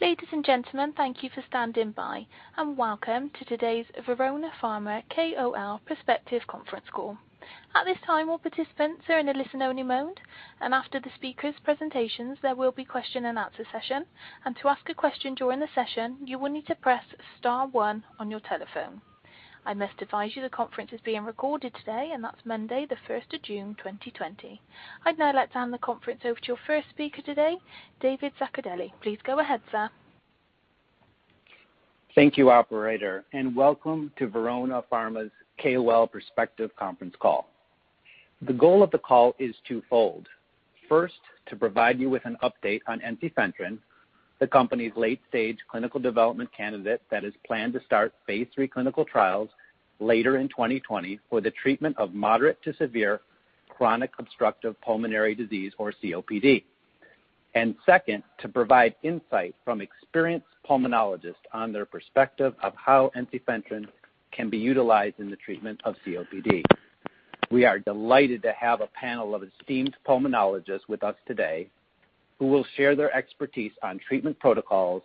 Ladies and gentlemen, thank you for standing by, and welcome to today's Verona Pharma KOL perspective conference call. At this time, all participants are in a listen-only mode, and after the speakers' presentations, there will be a question and answer session. To ask a question during the session, you will need to press star one on your telephone. I must advise you the conference is being recorded today, and that's Monday 1st of June 2020. I'd now like to hand the conference over to your first speaker today, David Zaccardelli. Please go ahead, sir. Thank you, operator. Welcome to Verona Pharma's KOL perspective conference call. The goal of the call is twofold. First, to provide you with an update on ensifentrine, the company's late-stage clinical development candidate that is planned to start phase III clinical trials later in 2020 for the treatment of moderate to severe chronic obstructive pulmonary disease or COPD. Second, to provide insight from experienced pulmonologists on their perspective of how ensifentrine can be utilized in the treatment of COPD. We are delighted to have a panel of esteemed pulmonologists with us today who will share their expertise on treatment protocols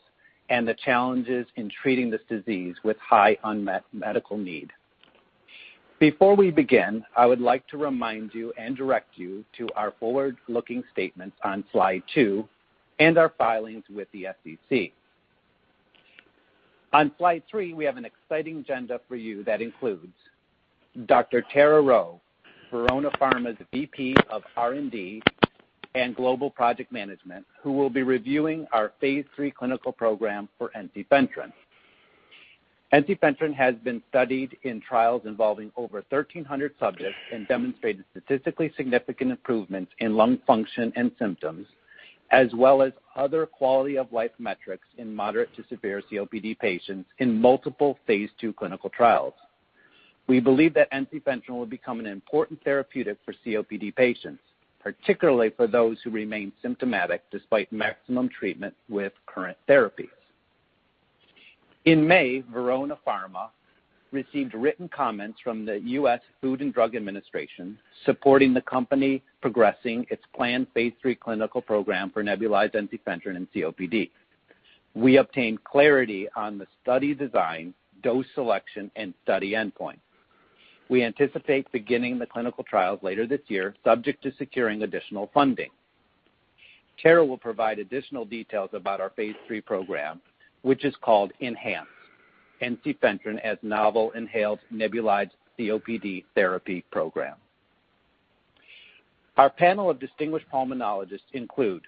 and the challenges in treating this disease with high unmet medical need. Before we begin, I would like to remind you and direct you to our forward-looking statements on slide two and our filings with the SEC. On slide three, we have an exciting agenda for you that includes Dr. Tara Rheault, Verona Pharma's VP of R&D and Global Project Management, who will be reviewing our phase III clinical program for ensifentrine. Ensifentrine has been studied in trials involving over 1,300 subjects and demonstrated statistically significant improvements in lung function and symptoms, as well as other quality of life metrics in moderate to severe COPD patients in multiple phase II clinical trials. We believe that ensifentrine will become an important therapeutic for COPD patients, particularly for those who remain symptomatic despite maximum treatment with current therapies. In May, Verona Pharma received written comments from the U.S. Food and Drug Administration supporting the company progressing its planned phase III clinical program for nebulized ensifentrine in COPD. We obtained clarity on the study design, dose selection, and study endpoint. We anticipate beginning the clinical trials later this year, subject to securing additional funding. Tara will provide additional details about our phase III program, which is called ENHANCE, (Ensifentrine as Novel inHAled Nebulized COPD thErapy) program. Our panel of distinguished pulmonologists include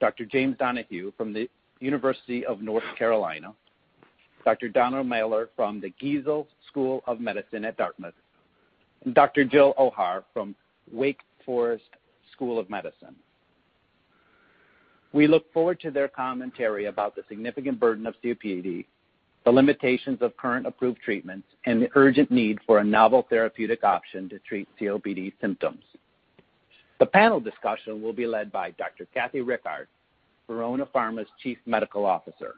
Dr. James Donohue from the University of North Carolina, Dr. Donald Mahler from the Geisel School of Medicine at Dartmouth, and Dr. Jill Ohar from Wake Forest School of Medicine. We look forward to their commentary about the significant burden of COPD, the limitations of current approved treatments, and the urgent need for a novel therapeutic option to treat COPD symptoms. The panel discussion will be led by Dr. Kathy Rickard, Verona Pharma's Chief Medical Officer.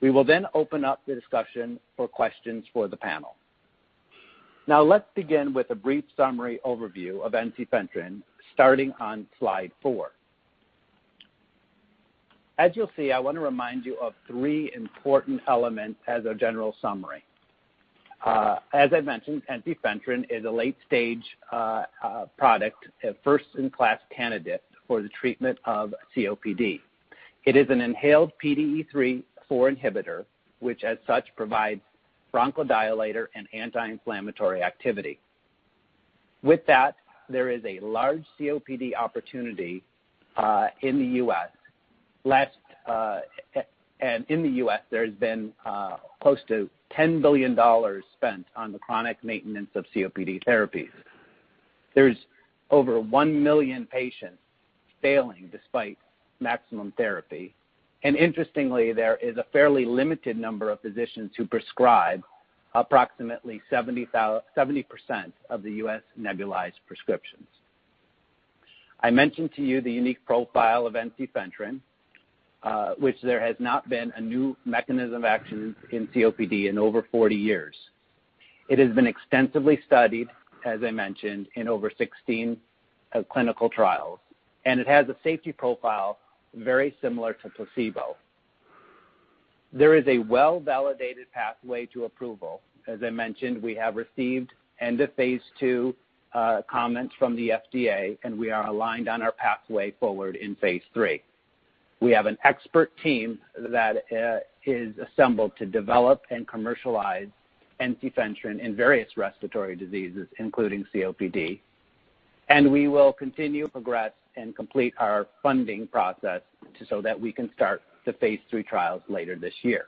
We will open up the discussion for questions for the panel. Now let's begin with a brief summary overview of ensifentrine, starting on slide four. As you'll see, I want to remind you of three important elements as a general summary. As I mentioned, ensifentrine is a late-stage product, a first-in-class candidate for the treatment of COPD. It is an inhaled PDE3 and PDE4 inhibitor, which as such provides bronchodilator and anti-inflammatory activity. With that, there is a large COPD opportunity in the U.S. In the U.S., there's been close to $10 billion spent on the chronic maintenance of COPD therapies. There's over 1 million patients failing despite maximum therapy, and interestingly, there is a fairly limited number of physicians who prescribe approximately 70% of the U.S. nebulized prescriptions. I mentioned to you the unique profile of ensifentrine, which there has not been a new mechanism of action in COPD in over 40 years. It has been extensively studied, as I mentioned, in over 16 clinical trials, and it has a safety profile very similar to placebo. There is a well-validated pathway to approval. As I mentioned, we have received end of phase II comments from the FDA, and we are aligned on our pathway forward in phase III. We have an expert team that is assembled to develop and commercialize ensifentrine in various respiratory diseases, including COPD. We will continue to progress and complete our funding process so that we can start the phase III trials later this year.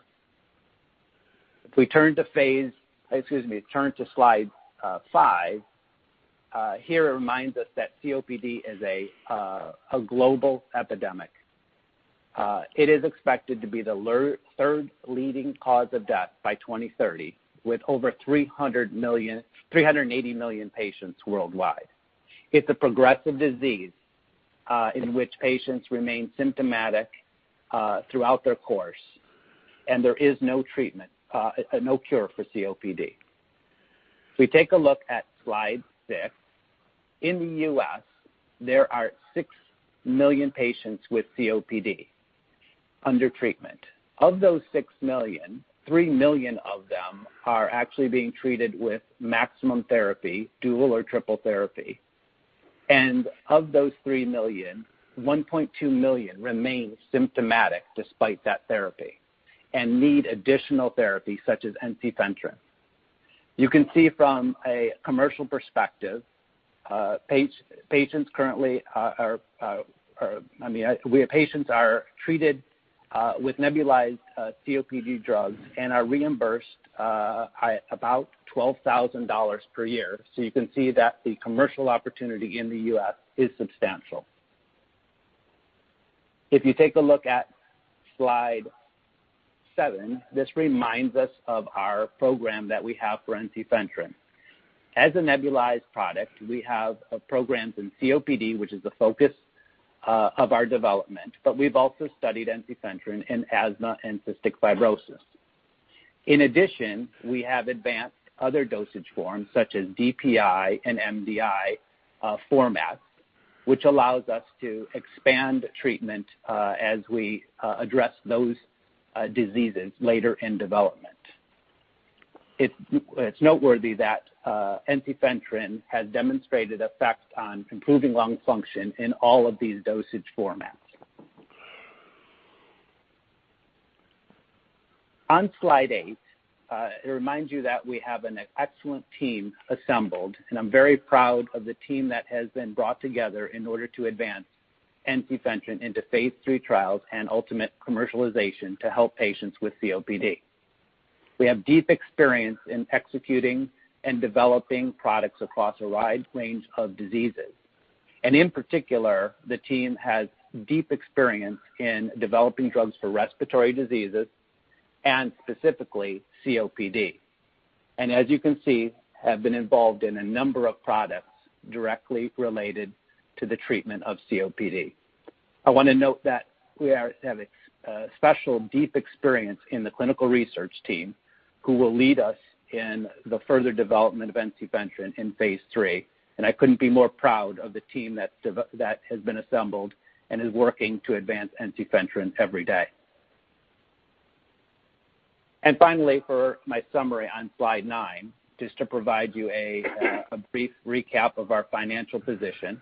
If we turn to slide five, here it reminds us that COPD is a global epidemic. It is expected to be the third-leading cause of death by 2030, with over 380 million patients worldwide. It's a progressive disease in which patients remain symptomatic throughout their course. There is no cure for COPD. If we take a look at slide six, in the U.S., there are 6 million patients with COPD under treatment. Of those 6 million, 3 million of them are actually being treated with maximum therapy, dual or triple therapy. Of those 3 million, 1.2 million remain symptomatic despite that therapy and need additional therapy such as ensifentrine. You can see from a commercial perspective, patients are treated with nebulized COPD drugs and are reimbursed about $12,000 per year. You can see that the commercial opportunity in the U.S. is substantial. If you take a look at slide seven, this reminds us of our program that we have for ensifentrine. As a nebulized product, we have programs in COPD, which is the focus of our development, but we've also studied ensifentrine in asthma and cystic fibrosis. In addition, we have advanced other dosage forms such as DPI and MDI formats, which allows us to expand treatment as we address those diseases later in development. It's noteworthy that ensifentrine has demonstrated effect on improving lung function in all of these dosage formats. On slide eight, it reminds you that we have an excellent team assembled, and I'm very proud of the team that has been brought together in order to advance ensifentrine into phase III trials and ultimate commercialization to help patients with COPD. We have deep experience in executing and developing products across a wide range of diseases. In particular, the team has deep experience in developing drugs for respiratory diseases and specifically COPD. As you can see, have been involved in a number of products directly related to the treatment of COPD. I want to note that we have a special, deep experience in the clinical research team who will lead us in the further development of ensifentrine in phase III. I couldn't be more proud of the team that has been assembled and is working to advance ensifentrine every day. Finally, for my summary on slide nine, just to provide you a brief recap of our financial position.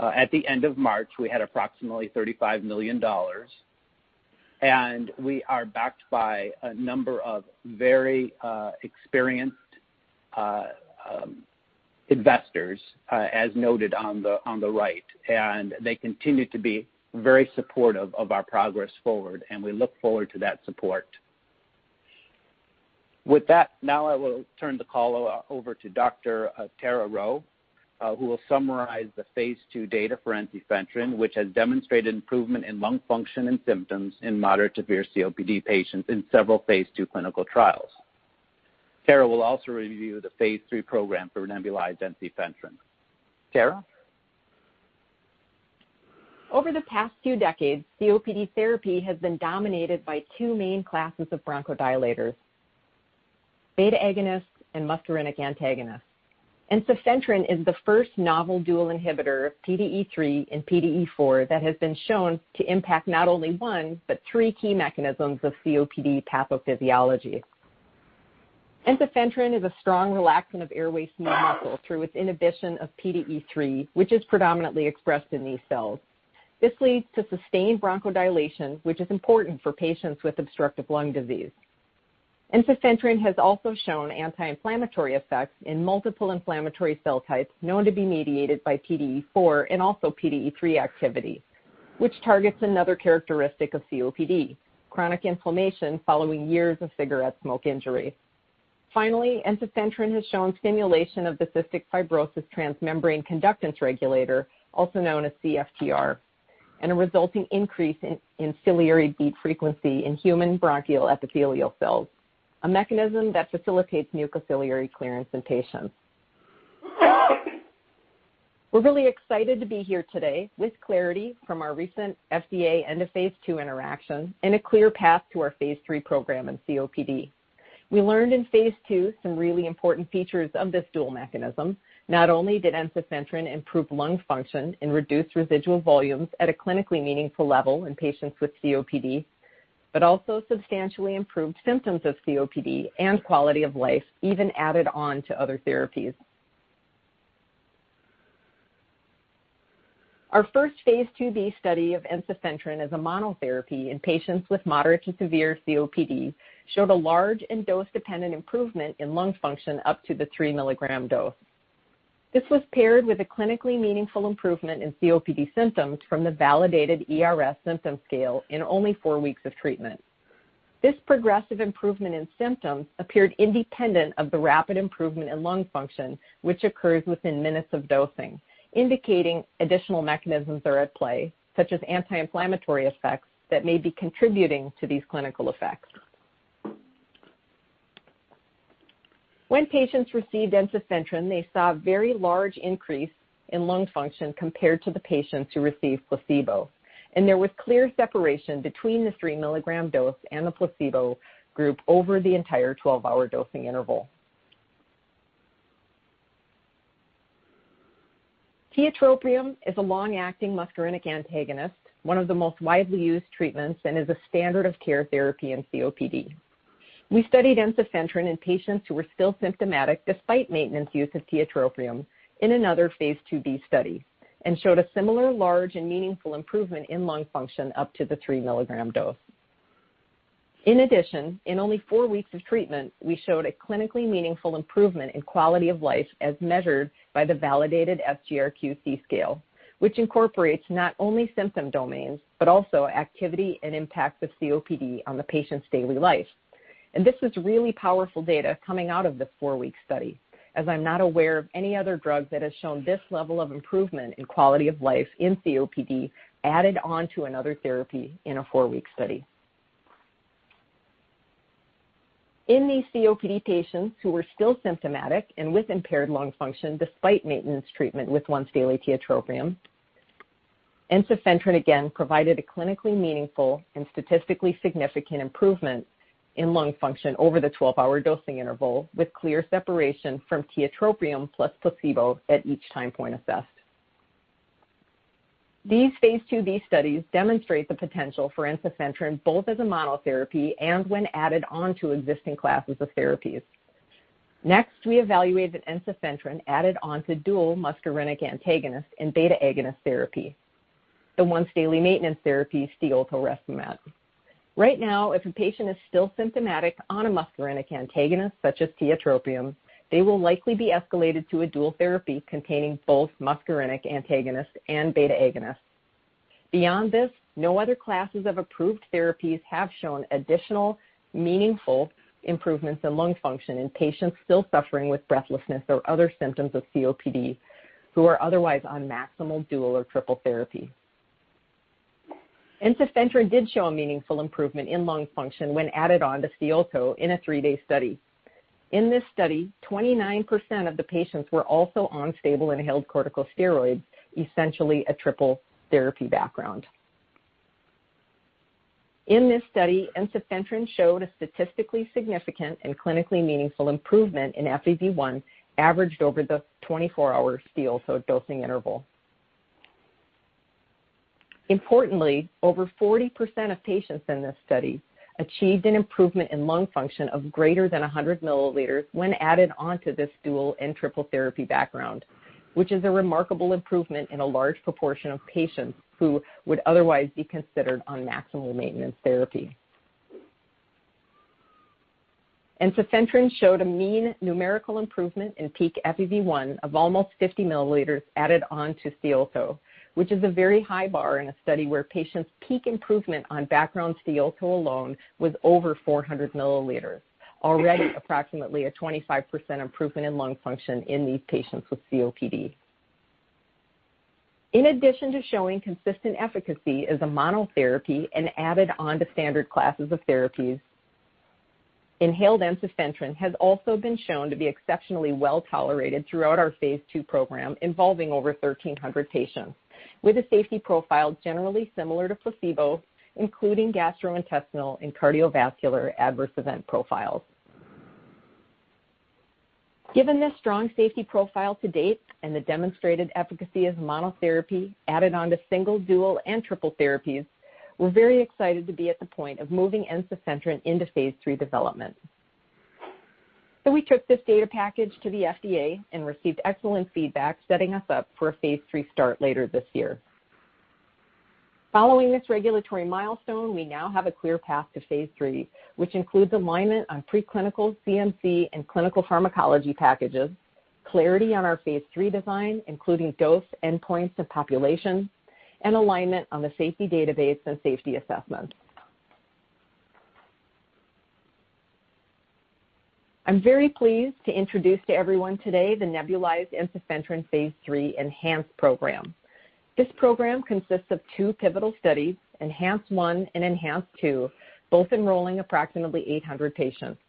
At the end of March, we had approximately $35 million. We are backed by a number of very experienced investors, as noted on the right. They continue to be very supportive of our progress forward, and we look forward to that support. With that, now I will turn the call over to Dr. Tara Rheault, who will summarize the phase II data for ensifentrine, which has demonstrated improvement in lung function and symptoms in moderate to severe COPD patients in several phase II clinical trials. Tara will also review the phase III program for nebulized ensifentrine. Tara? Over the past few decades, COPD therapy has been dominated by two main classes of bronchodilators, beta agonists and muscarinic antagonists. Ensifentrine is the first novel dual inhibitor of PDE3 and PDE4 that has been shown to impact not only one, but three key mechanisms of COPD pathophysiology. Ensifentrine is a strong relaxant of airway smooth muscle through its inhibition of PDE3, which is predominantly expressed in these cells. This leads to sustained bronchodilation, which is important for patients with obstructive lung disease. Ensifentrine has also shown anti-inflammatory effects in multiple inflammatory cell types known to be mediated by PDE4 and also PDE3 activity, which targets another characteristic of COPD, chronic inflammation following years of cigarette smoke injury. Finally, ensifentrine has shown stimulation of the cystic fibrosis transmembrane conductance regulator, also known as CFTR, and a resulting increase in ciliary beat frequency in human bronchial epithelial cells, a mechanism that facilitates mucociliary clearance in patients. We're really excited to be here today with clarity from our recent FDA end of phase II interaction and a clear path to our phase III program in COPD. We learned in phase II some really important features of this dual mechanism. Not only did ensifentrine improve lung function and reduce residual volumes at a clinically meaningful level in patients with COPD, but also substantially improved symptoms of COPD and quality of life, even added on to other therapies. Our first phase IIb study of ensifentrine as a monotherapy in patients with moderate to severe COPD showed a large and dose-dependent improvement in lung function up to the 3 mg dose. This was paired with a clinically meaningful improvement in COPD symptoms from the validated E-RS symptom scale in only four weeks of treatment. This progressive improvement in symptoms appeared independent of the rapid improvement in lung function, which occurs within minutes of dosing, indicating additional mechanisms are at play, such as anti-inflammatory effects that may be contributing to these clinical effects. When patients received ensifentrine, they saw a very large increase in lung function compared to the patients who received placebo, and there was clear separation between the 3 mg dose and the placebo group over the entire 12-hour dosing interval. Tiotropium is a long-acting muscarinic antagonist, one of the most widely used treatments, and is a standard of care therapy in COPD. We studied ensifentrine in patients who were still symptomatic despite maintenance use of tiotropium in another phase IIb study and showed a similar large and meaningful improvement in lung function up to the 3 mg dose. In addition, in only four weeks of treatment, we showed a clinically meaningful improvement in quality of life as measured by the validated SGRQ-C scale, which incorporates not only symptom domains, but also activity and impact of COPD on the patient's daily life. This is really powerful data coming out of the four-week study, as I'm not aware of any other drug that has shown this level of improvement in quality of life in COPD added onto another therapy in a four-week study. In these COPD patients who were still symptomatic and with impaired lung function despite maintenance treatment with once-daily tiotropium, ensifentrine again provided a clinically meaningful and statistically significant improvement in lung function over the 12-hour dosing interval, with clear separation from tiotropium plus placebo at each time point assessed. These phase IIb studies demonstrate the potential for ensifentrine both as a monotherapy and when added onto existing classes of therapies. We evaluated ensifentrine added onto dual muscarinic antagonist and beta-agonist therapy, the once daily maintenance therapy, STIOLTO RESPIMAT. Right now, if a patient is still symptomatic on a muscarinic antagonist such as tiotropium, they will likely be escalated to a dual therapy containing both muscarinic antagonist and beta-agonist. Beyond this, no other classes of approved therapies have shown additional meaningful improvements in lung function in patients still suffering with breathlessness or other symptoms of COPD who are otherwise on maximal dual or triple therapy. Ensifentrine did show a meaningful improvement in lung function when added on to STIOLTO in a three-day study. In this study, 29% of the patients were also on stable inhaled corticosteroids, essentially a triple therapy background. In this study, ensifentrine showed a statistically significant and clinically meaningful improvement in FEV1 averaged over the 24-hour STIOLTO dosing interval. Importantly, over 40% of patients in this study achieved an improvement in lung function of greater than 100 mL when added onto this dual and triple therapy background, which is a remarkable improvement in a large proportion of patients who would otherwise be considered on maximal maintenance therapy. Ensifentrine showed a mean numerical improvement in peak FEV1 of almost 50 mL added on to STIOLTO, which is a very high bar in a study where patients' peak improvement on background STIOLTO alone was over 400 mL, already approximately a 25% improvement in lung function in these patients with COPD. In addition to showing consistent efficacy as a monotherapy and added on to standard classes of therapies, inhaled ensifentrine has also been shown to be exceptionally well-tolerated throughout our phase II program involving over 1,300 patients, with a safety profile generally similar to placebo, including gastrointestinal and cardiovascular adverse event profiles. Given this strong safety profile to date and the demonstrated efficacy as monotherapy added on to single, dual, and triple therapies, we're very excited to be at the point of moving ensifentrine into phase III development. We took this data package to the FDA and received excellent feedback, setting us up for a phase III start later this year. Following this regulatory milestone, we now have a clear path to phase III, which includes alignment on preclinical CMC and clinical pharmacology packages, clarity on our phase III design, including dose, endpoints, and population, and alignment on the safety database and safety assessment. I'm very pleased to introduce to everyone today the nebulized ensifentrine phase III ENHANCE program. This program consists of two pivotal studies, ENHANCE-1 and ENHANCE-2, both enrolling approximately 800 patients.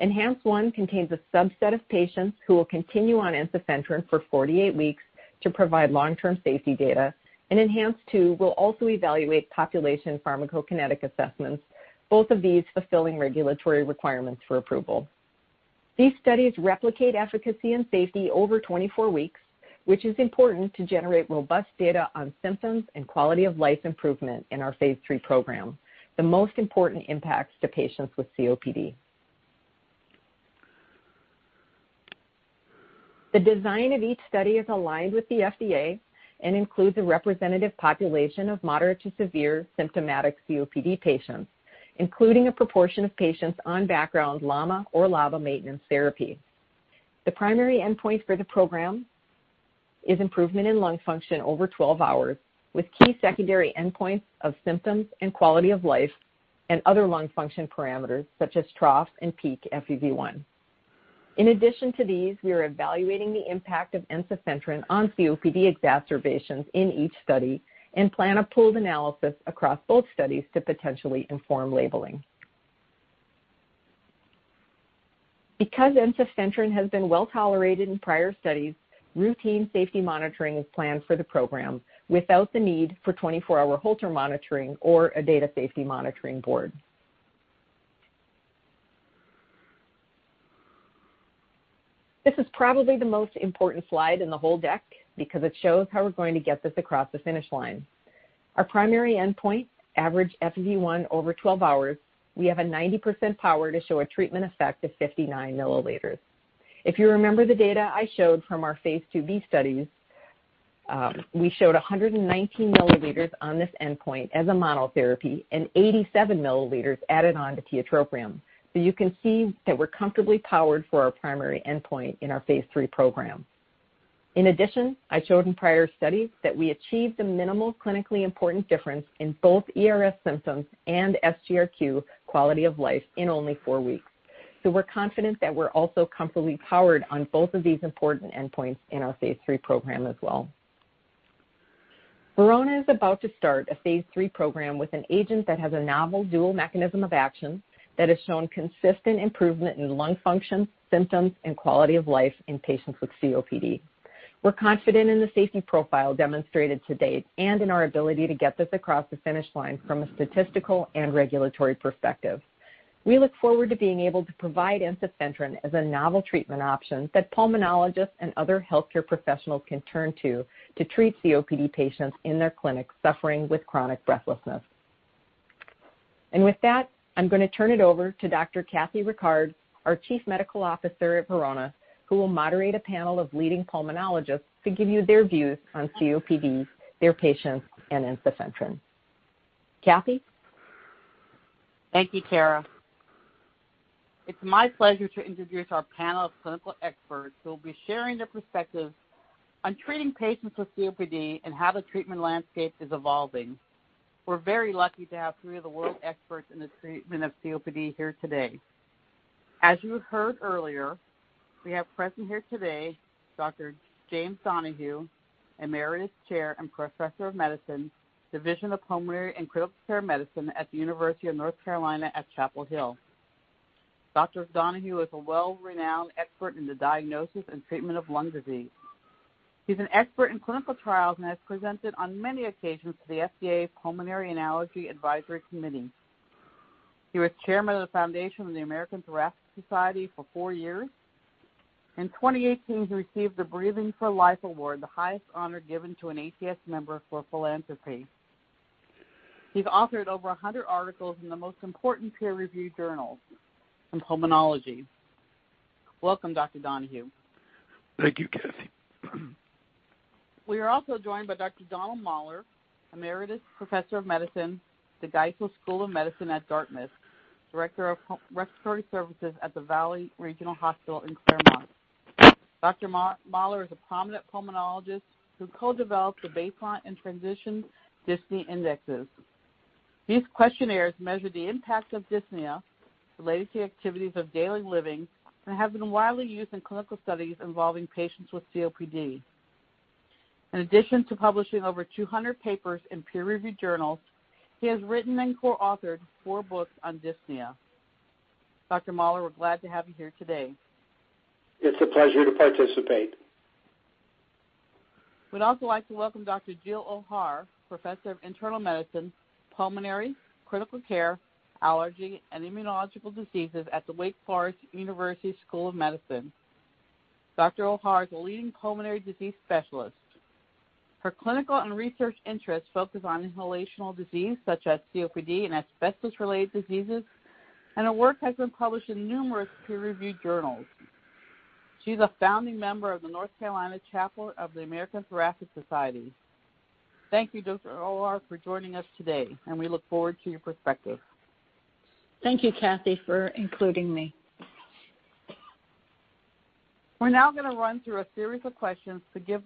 ENHANCE-1 contains a subset of patients who will continue on ensifentrine for 48 weeks to provide long-term safety data, and ENHANCE-2 will also evaluate population pharmacokinetic assessments, both of these fulfilling regulatory requirements for approval. These studies replicate efficacy and safety over 24 weeks, which is important to generate robust data on symptoms and quality of life improvement in our phase III program, the most important impacts to patients with COPD. The design of each study is aligned with the FDA and includes a representative population of moderate to severe symptomatic COPD patients, including a proportion of patients on background LAMA or LABA maintenance therapy. The primary endpoint for the program is improvement in lung function over 12 hours, with key secondary endpoints of symptoms and quality of life and other lung function parameters such as trough and peak FEV1. In addition to these, we are evaluating the impact of ensifentrine on COPD exacerbations in each study and plan a pooled analysis across both studies to potentially inform labeling. Because ensifentrine has been well-tolerated in prior studies, routine safety monitoring is planned for the program without the need for 24-hour Holter monitoring or a data safety monitoring board. This is probably the most important slide in the whole deck because it shows how we're going to get this across the finish line. Our primary endpoint, average FEV1 over 12 hours, we have a 90% power to show a treatment effect of 59 mL. If you remember the data I showed from our phase IIb studies, we showed 119 mL on this endpoint as a monotherapy and 87 mL added on to tiotropium. You can see that we're comfortably powered for our primary endpoint in our phase III program. In addition, I showed in prior studies that we achieved a minimal clinically important difference in both E-RS symptoms and SGRQ quality of life in only four weeks. We're confident that we're also comfortably powered on both of these important endpoints in our phase III program as well. Verona is about to start a phase III program with an agent that has a novel dual mechanism of action that has shown consistent improvement in lung function, symptoms, and quality of life in patients with COPD. We're confident in the safety profile demonstrated to date and in our ability to get this across the finish line from a statistical and regulatory perspective. We look forward to being able to provide ensifentrine as a novel treatment option that pulmonologists and other healthcare professionals can turn to to treat COPD patients in their clinic suffering with chronic breathlessness. With that, I'm going to turn it over to Dr. Kathy Rickard, our Chief Medical Officer at Verona, who will moderate a panel of leading pulmonologists to give you their views on COPD, their patients, and ensifentrine. Kathy? Thank you, Tara. It's my pleasure to introduce our panel of clinical experts who will be sharing their perspectives on treating patients with COPD and how the treatment landscape is evolving. We're very lucky to have three of the world's experts in the treatment of COPD here today. As you heard earlier, we have present here today, Dr. James Donohue, Emeritus Chair and Professor of Medicine, Division of Pulmonary and Critical Care Medicine at the University of North Carolina at Chapel Hill. Dr. Donohue is a well-renowned expert in the diagnosis and treatment of lung disease. He's an expert in clinical trials and has presented on many occasions to the FDA's Pulmonary and Allergy Advisory Committee. He was Chairman of the Foundation of the American Thoracic Society for four years. In 2018, he received the Breathing for Life Award, the highest honor given to an ATS member for philanthropy. He's authored over 100 articles in the most important peer-reviewed journals in pulmonology. Welcome, Dr. Donohue. Thank you, Kathy. We are also joined by Dr. Donald Mahler, Emeritus Professor of Medicine, the Geisel School of Medicine at Dartmouth, Director of Respiratory Services at the Valley Regional Hospital in Claremont. Dr. Mahler is a prominent pulmonologist who co-developed the Baseline and Transition Dyspnea Indexes. These questionnaires measure the impact of dyspnea related to the activities of daily living and have been widely used in clinical studies involving patients with COPD. In addition to publishing over 200 papers in peer-reviewed journals, he has written and co-authored four books on dyspnea. Dr. Mahler, we're glad to have you here today. It's a pleasure to participate. We'd also like to welcome Dr. Jill Ohar, Professor of Internal Medicine, Pulmonary, Critical Care, Allergy, and Immunological Diseases at the Wake Forest University School of Medicine. Dr. Ohar is a leading pulmonary disease specialist. Her clinical and research interests focus on inhalational disease such as COPD and asbestos-related diseases. Her work has been published in numerous peer-reviewed journals. She's a founding member of the North Carolina chapter of the American Thoracic Society. Thank you, Dr. Ohar, for joining us today. We look forward to your perspective. Thank you, Kathy, for including me. We're now going to run through a series of questions to give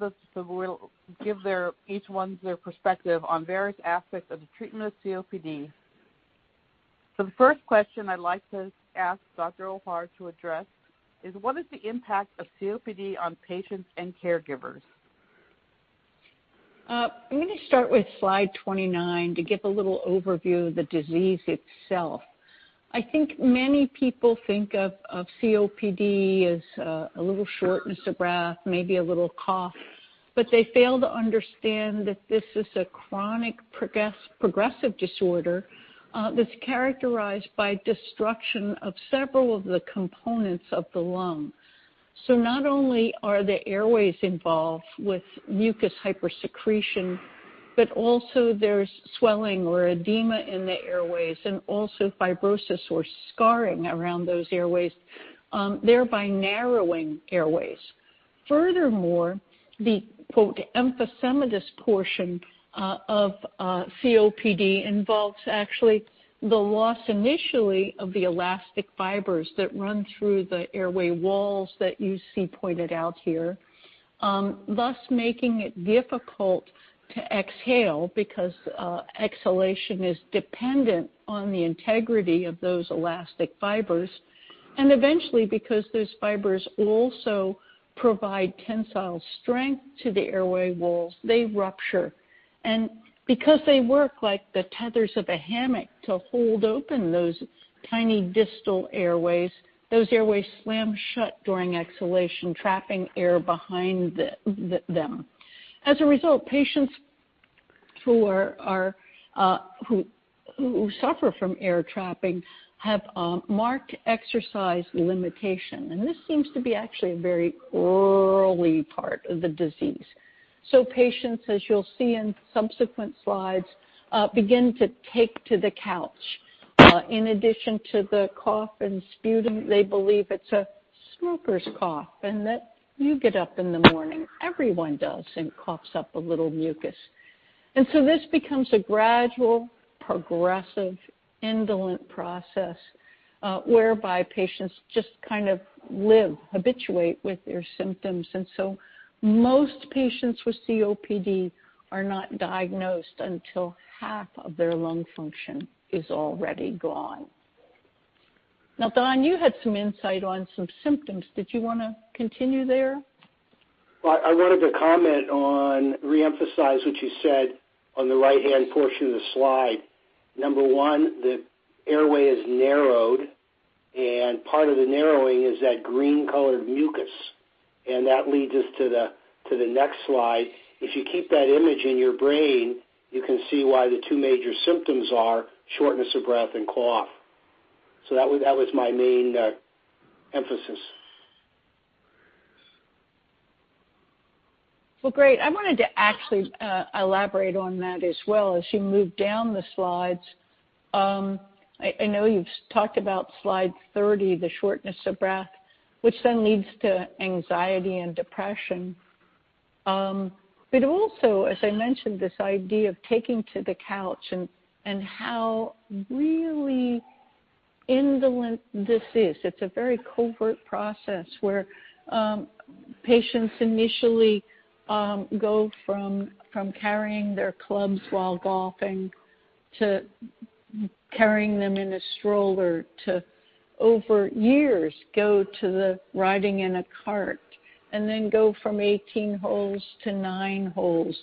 each one their perspective on various aspects of the treatment of COPD. The first question I'd like to ask Dr. Ohar to address is, what is the impact of COPD on patients and caregivers? I'm going to start with slide 29 to give a little overview of the disease itself. I think many people think of COPD as a little shortness of breath, maybe a little cough. They fail to understand that this is a chronic progressive disorder that's characterized by destruction of several of the components of the lung. Not only are the airways involved with mucus hypersecretion, but also there's swelling or edema in the airways and also fibrosis or scarring around those airways, thereby narrowing airways. Furthermore, the "emphysematous portion" of COPD involves actually the loss initially of the elastic fibers that run through the airway walls that you see pointed out here, thus making it difficult to exhale because exhalation is dependent on the integrity of those elastic fibers. Eventually, because those fibers also provide tensile strength to the airway walls, they rupture. Because they work like the tethers of a hammock to hold open those tiny distal airways, those airways slam shut during exhalation, trapping air behind them. As a result, patients who suffer from air trapping have marked exercise limitation, and this seems to be actually a very early part of the disease. Patients, as you'll see in subsequent slides, begin to take to the couch. In addition to the cough and sputum, they believe it's a smoker's cough and that you get up in the morning, everyone does, and coughs up a little mucus. This becomes a gradual, progressive, indolent process, whereby patients just live, habituate with their symptoms. Most patients with COPD are not diagnosed until half of their lung function is already gone. Now, Don, you had some insight on some symptoms. Did you want to continue there? Well, I wanted to comment on, reemphasize what you said on the right-hand portion of the slide. Number one, the airway is narrowed, and part of the narrowing is that green-colored mucus, and that leads us to the next slide. If you keep that image in your brain, you can see why the two major symptoms are shortness of breath and cough. That was my main emphasis. Well, great. I wanted to actually elaborate on that as well as you move down the slides. I know you've talked about slide 30, the shortness of breath, which then leads to anxiety and depression. Also, as I mentioned, this idea of taking to the couch and how really indolent this is. It's a very covert process where patients initially go from carrying their clubs while golfing to carrying them in a stroller, to over years, go to the riding in a cart, and then go from 18 holes to nine holes.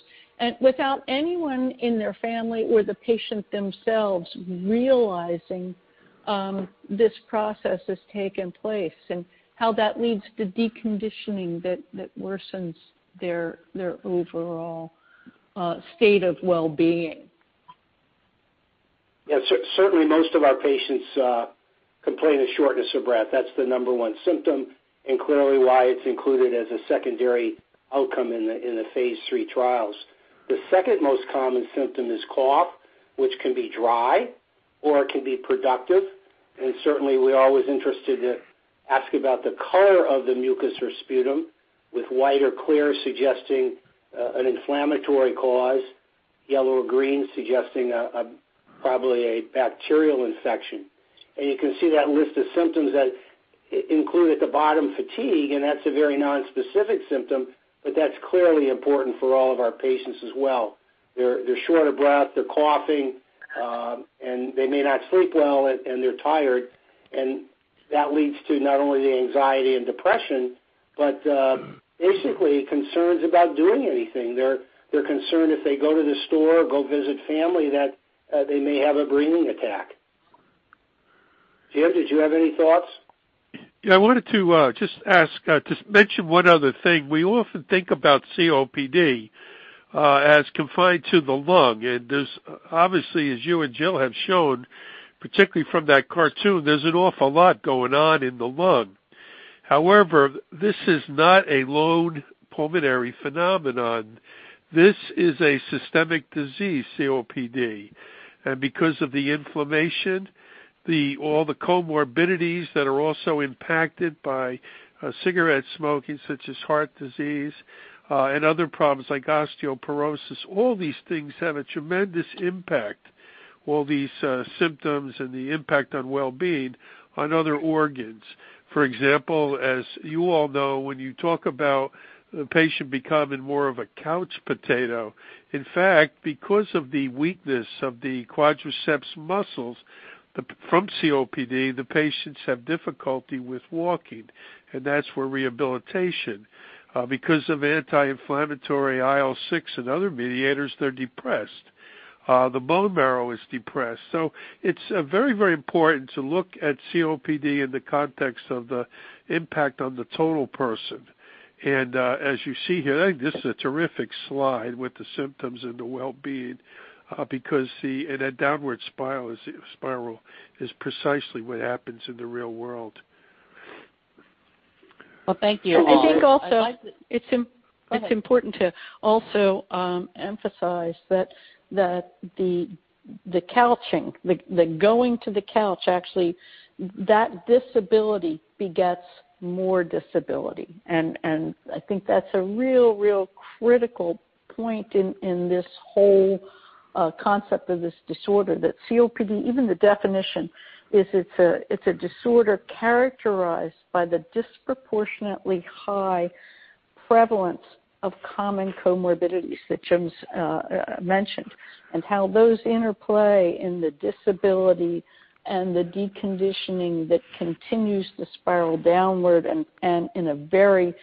Without anyone in their family or the patient themselves realizing this process has taken place and how that leads to deconditioning that worsens their overall state of well-being. Yeah. Certainly, most of our patients complain of shortness of breath. That's the number one symptom, and clearly why it's included as a secondary outcome in the phase III trials. The second most common symptom is cough, which can be dry, or it can be productive. Certainly, we're always interested to ask about the color of the mucus or sputum, with white or clear suggesting an inflammatory cause, yellow or green suggesting probably a bacterial infection. You can see that list of symptoms that include at the bottom, fatigue, and that's a very non-specific symptom, but that's clearly important for all of our patients as well. They're short of breath, they're coughing, and they may not sleep well, and they're tired. That leads to not only the anxiety and depression, but basically concerns about doing anything. They're concerned if they go to the store or go visit family, that they may have a breathing attack. Jim, did you have any thoughts? Yeah, I wanted to just mention one other thing. We often think about COPD as confined to the lung, and obviously, as you and Jill have shown, particularly from that cartoon, there's an awful lot going on in the lung. However, this is not a lone pulmonary phenomenon. This is a systemic disease, COPD. Because of the inflammation, all the comorbidities that are also impacted by cigarette smoking, such as heart disease, and other problems like osteoporosis, all these things have a tremendous impact, all these symptoms and the impact on well-being on other organs. For example, as you all know, when you talk about the patient becoming more of a couch potato, in fact, because of the weakness of the quadriceps muscles from COPD, the patients have difficulty with walking, and that's for rehabilitation. Because of anti-inflammatory IL-6 and other mediators, they're depressed. The bone marrow is depressed. It's very important to look at COPD in the context of the impact on the total person. As you see here, I think this is a terrific slide with the symptoms and the well-being because that downward spiral is precisely what happens in the real world. Well, thank you. I think it's important to also emphasize that the couching, the going to the couch, actually, that disability begets more disability. I think that's a real critical point in this whole concept of this disorder, that COPD, even the definition, is it's a disorder characterized by the disproportionately high prevalence of common comorbidities that Jim's mentioned, and how those interplay in the disability and the deconditioning that continues to spiral downward and in a very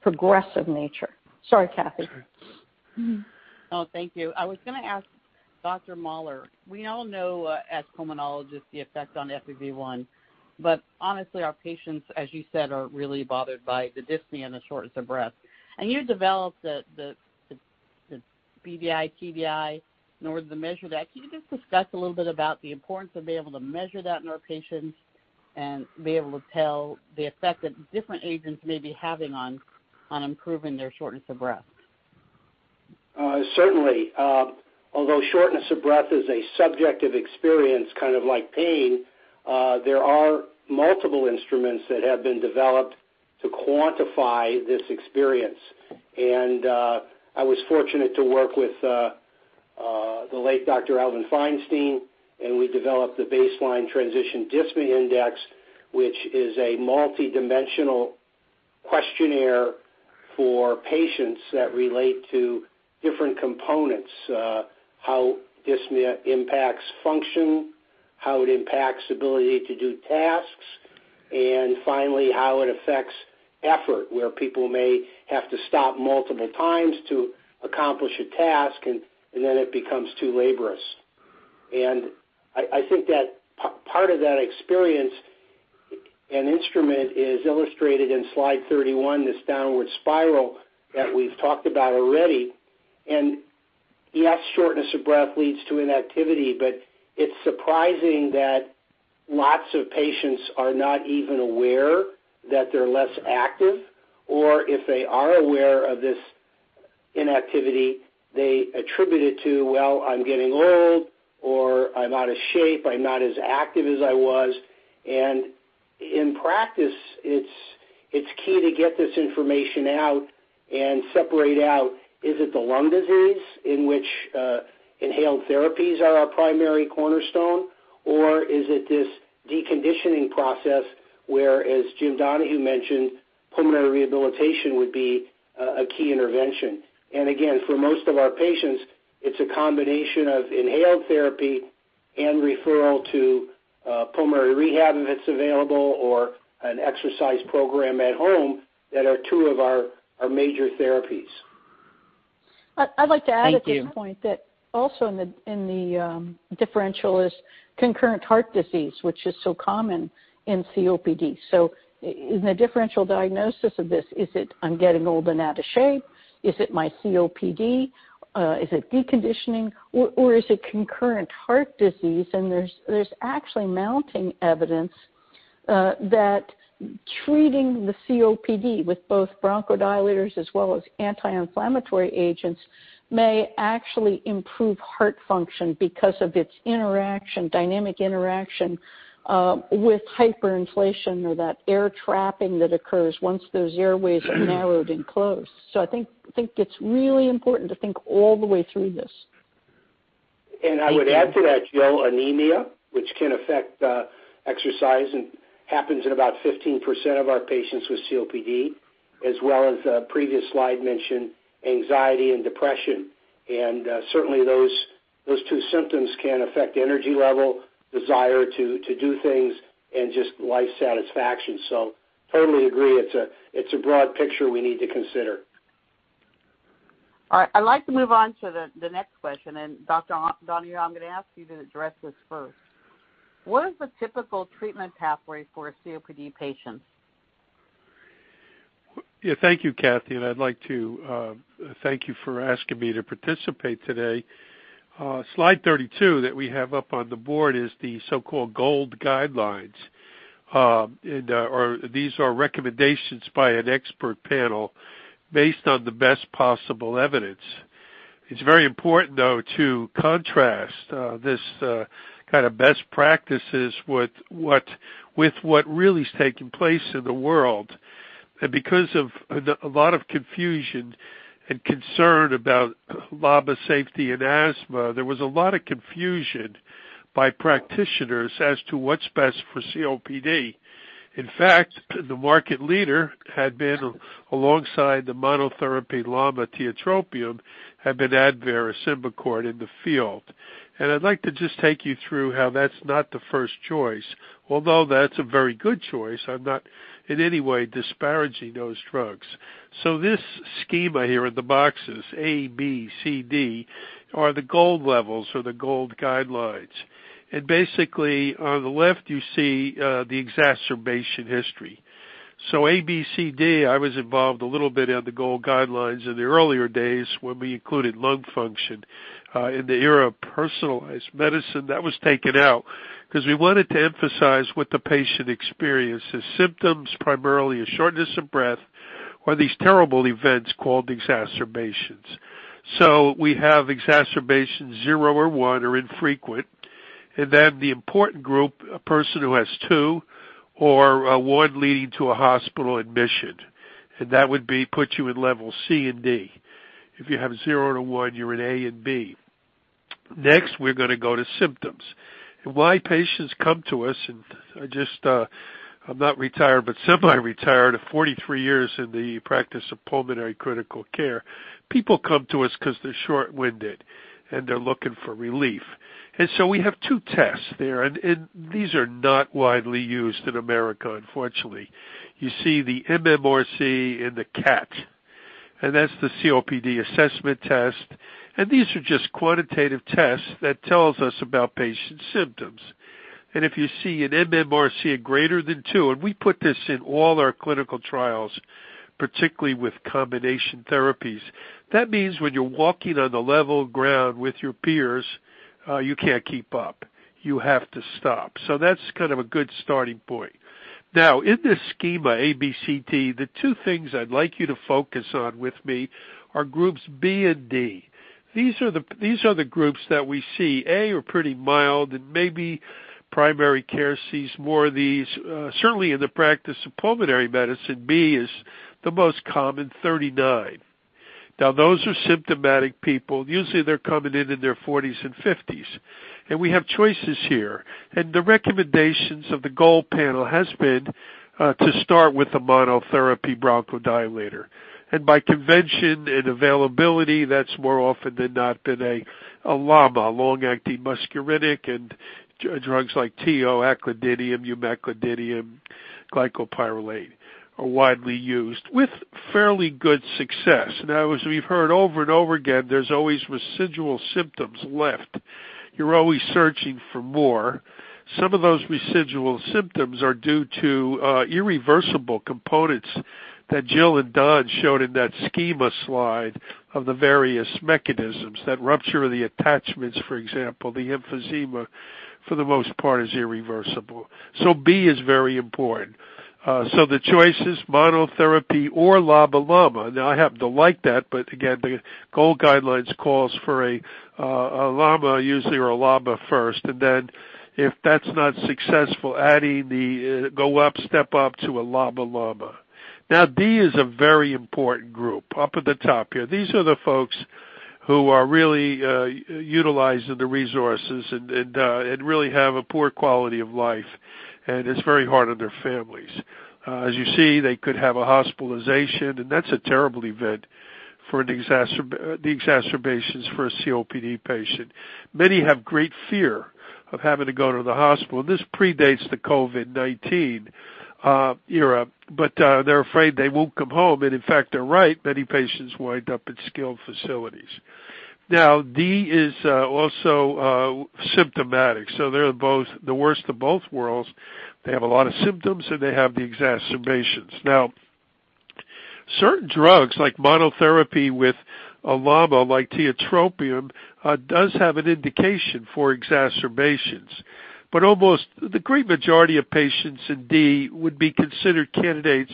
progressive nature. Sorry, Kathy. That's all right. Oh, thank you. Dr. Mahler, we all know, as pulmonologists, the effect on FEV1, but honestly, our patients, as you said, are really bothered by the dyspnea and the shortness of breath. You developed the BDI, TDI, in order to measure that. Can you just discuss a little bit about the importance of being able to measure that in our patients and be able to tell the effect that different agents may be having on improving their shortness of breath? Certainly. Although shortness of breath is a subjective experience, kind of like pain, there are multiple instruments that have been developed to quantify this experience. I was fortunate to work with the late Dr. Alvan Feinstein, and we developed the Baseline Transition Dyspnea Index, which is a multidimensional questionnaire for patients that relate to different components, how dyspnea impacts function, how it impacts ability to do tasks, and finally, how it affects effort, where people may have to stop multiple times to accomplish a task, and then it becomes too laborious. I think that part of that experience and instrument is illustrated in slide 31, this downward spiral that we've talked about already. Yes, shortness of breath leads to inactivity, but it's surprising that lots of patients are not even aware that they're less active, or if they are aware of this inactivity, they attribute it to, well, I'm getting old or I'm out of shape, I'm not as active as I was. In practice, it's key to get this information out and separate out, is it the lung disease, in which inhaled therapies are our primary cornerstone, or is it this deconditioning process where, as James Donohue mentioned, pulmonary rehabilitation would be a key intervention? Again, for most of our patients, it's a combination of inhaled therapy and referral to pulmonary rehab, if it's available, or an exercise program at home that are two of our major therapies. Thank you. I'd like to add at this point that also in the differential is concurrent heart disease, which is so common in COPD. In the differential diagnosis of this, is it I'm getting old and out of shape? Is it my COPD? Is it deconditioning, or is it concurrent heart disease? There's actually mounting evidence that treating the COPD with both bronchodilators as well as anti-inflammatory agents may actually improve heart function because of its dynamic interaction with hyperinflation, or that air trapping that occurs once those airways are narrowed and closed. I think it's really important to think all the way through this. I would add to that, Jill, anemia, which can affect exercise and happens in about 15% of our patients with COPD, as well as a previous slide mentioned anxiety and depression. Certainly those two symptoms can affect energy level, desire to do things, and just life satisfaction. Totally agree, it's a broad picture we need to consider. All right. I'd like to move on to the next question, and Dr. Donohue, I'm going to ask you to address this first. What is the typical treatment pathway for a COPD patient? Yeah. Thank you, Kathy, and I'd like to thank you for asking me to participate today. Slide 32 that we have up on the board is the so-called GOLD guidelines. These are recommendations by an expert panel based on the best possible evidence. It's very important, though, to contrast this kind of best practices with what really is taking place in the world. Because of a lot of confusion and concern about LAMA safety and asthma, there was a lot of confusion by practitioners as to what's best for COPD. In fact, the market leader had been alongside the monotherapy LAMA, tiotropium, had been ADVAIR or SYMBICORT in the field. I'd like to just take you through how that's not the first choice, although that's a very good choice. I'm not in any way disparaging those drugs. This schema here in the boxes, A, B, C, D, are the GOLD levels or the GOLD guidelines. Basically, on the left, you see the exacerbation history. A, B, C, D, I was involved a little bit on the GOLD guidelines in the earlier days when we included lung function. In the era of personalized medicine, that was taken out because we wanted to emphasize what the patient experiences. Symptoms, primarily shortness of breath, or these terrible events called exacerbations. We have exacerbations zero or one are infrequent, and then the important group, a person who has two or one leading to a hospital admission, and that would put you in level C and D. If you have zero to one, you're in A and B. Next, we're going to go to symptoms and why patients come to us, and I'm not retired, but semi-retired of 43 years in the practice of pulmonary critical care. People come to us because they're short-winded and they're looking for relief. We have two tests there, and these are not widely used in America, unfortunately. You see the mMRC and the CAT. That's the COPD assessment test, and these are just quantitative tests that tells us about patients' symptoms. If you see an mMRC of greater than 2, and we put this in all our clinical trials, particularly with combination therapies. That means when you're walking on the level ground with your peers, you can't keep up. You have to stop. That's kind of a good starting point. In this schema, A, B, C, D, the two things I'd like you to focus on with me are groups B and D. These are the groups that we see. A are pretty mild and maybe primary care sees more of these. Certainly in the practice of pulmonary medicine, B is the most common, 39. Those are symptomatic people. Usually, they're coming in in their 40s and 50s. We have choices here. The recommendations of the GOLD panel has been to start with a monotherapy bronchodilator. By convention and availability, that's more often than not been a LAMA, a long-acting muscarinic, and drugs like tiotropium, aclidinium, umeclidinium, glycopyrrolate are widely used with fairly good success. As we've heard over and over again, there's always residual symptoms left. You're always searching for more. Some of those residual symptoms are due to irreversible components that Jill and Don showed in that schema slide of the various mechanisms that rupture the attachments, for example. The emphysema, for the most part, is irreversible. B is very important. The choices, monotherapy or LAMA. I happen to like that, but again, the GOLD guidelines calls for a LAMA usually, or a LAMA first. If that's not successful, go up, step up to a LAMA. Now D is a very important group up at the top here. These are the folks who are really utilizing the resources and really have a poor quality of life, and it's very hard on their families. As you see, they could have a hospitalization, and that's a terrible event for the exacerbations for a COPD patient. Many have great fear of having to go to the hospital, and this predates the COVID-19 era. They're afraid they won't come home, and in fact, they're right. Many patients wind up in skilled facilities. Now D is also symptomatic, so they're the worst of both worlds. They have a lot of symptoms, and they have the exacerbations. Certain drugs like monotherapy with a LAMA like tiotropium does have an indication for exacerbations, but the great majority of patients in D would be considered candidates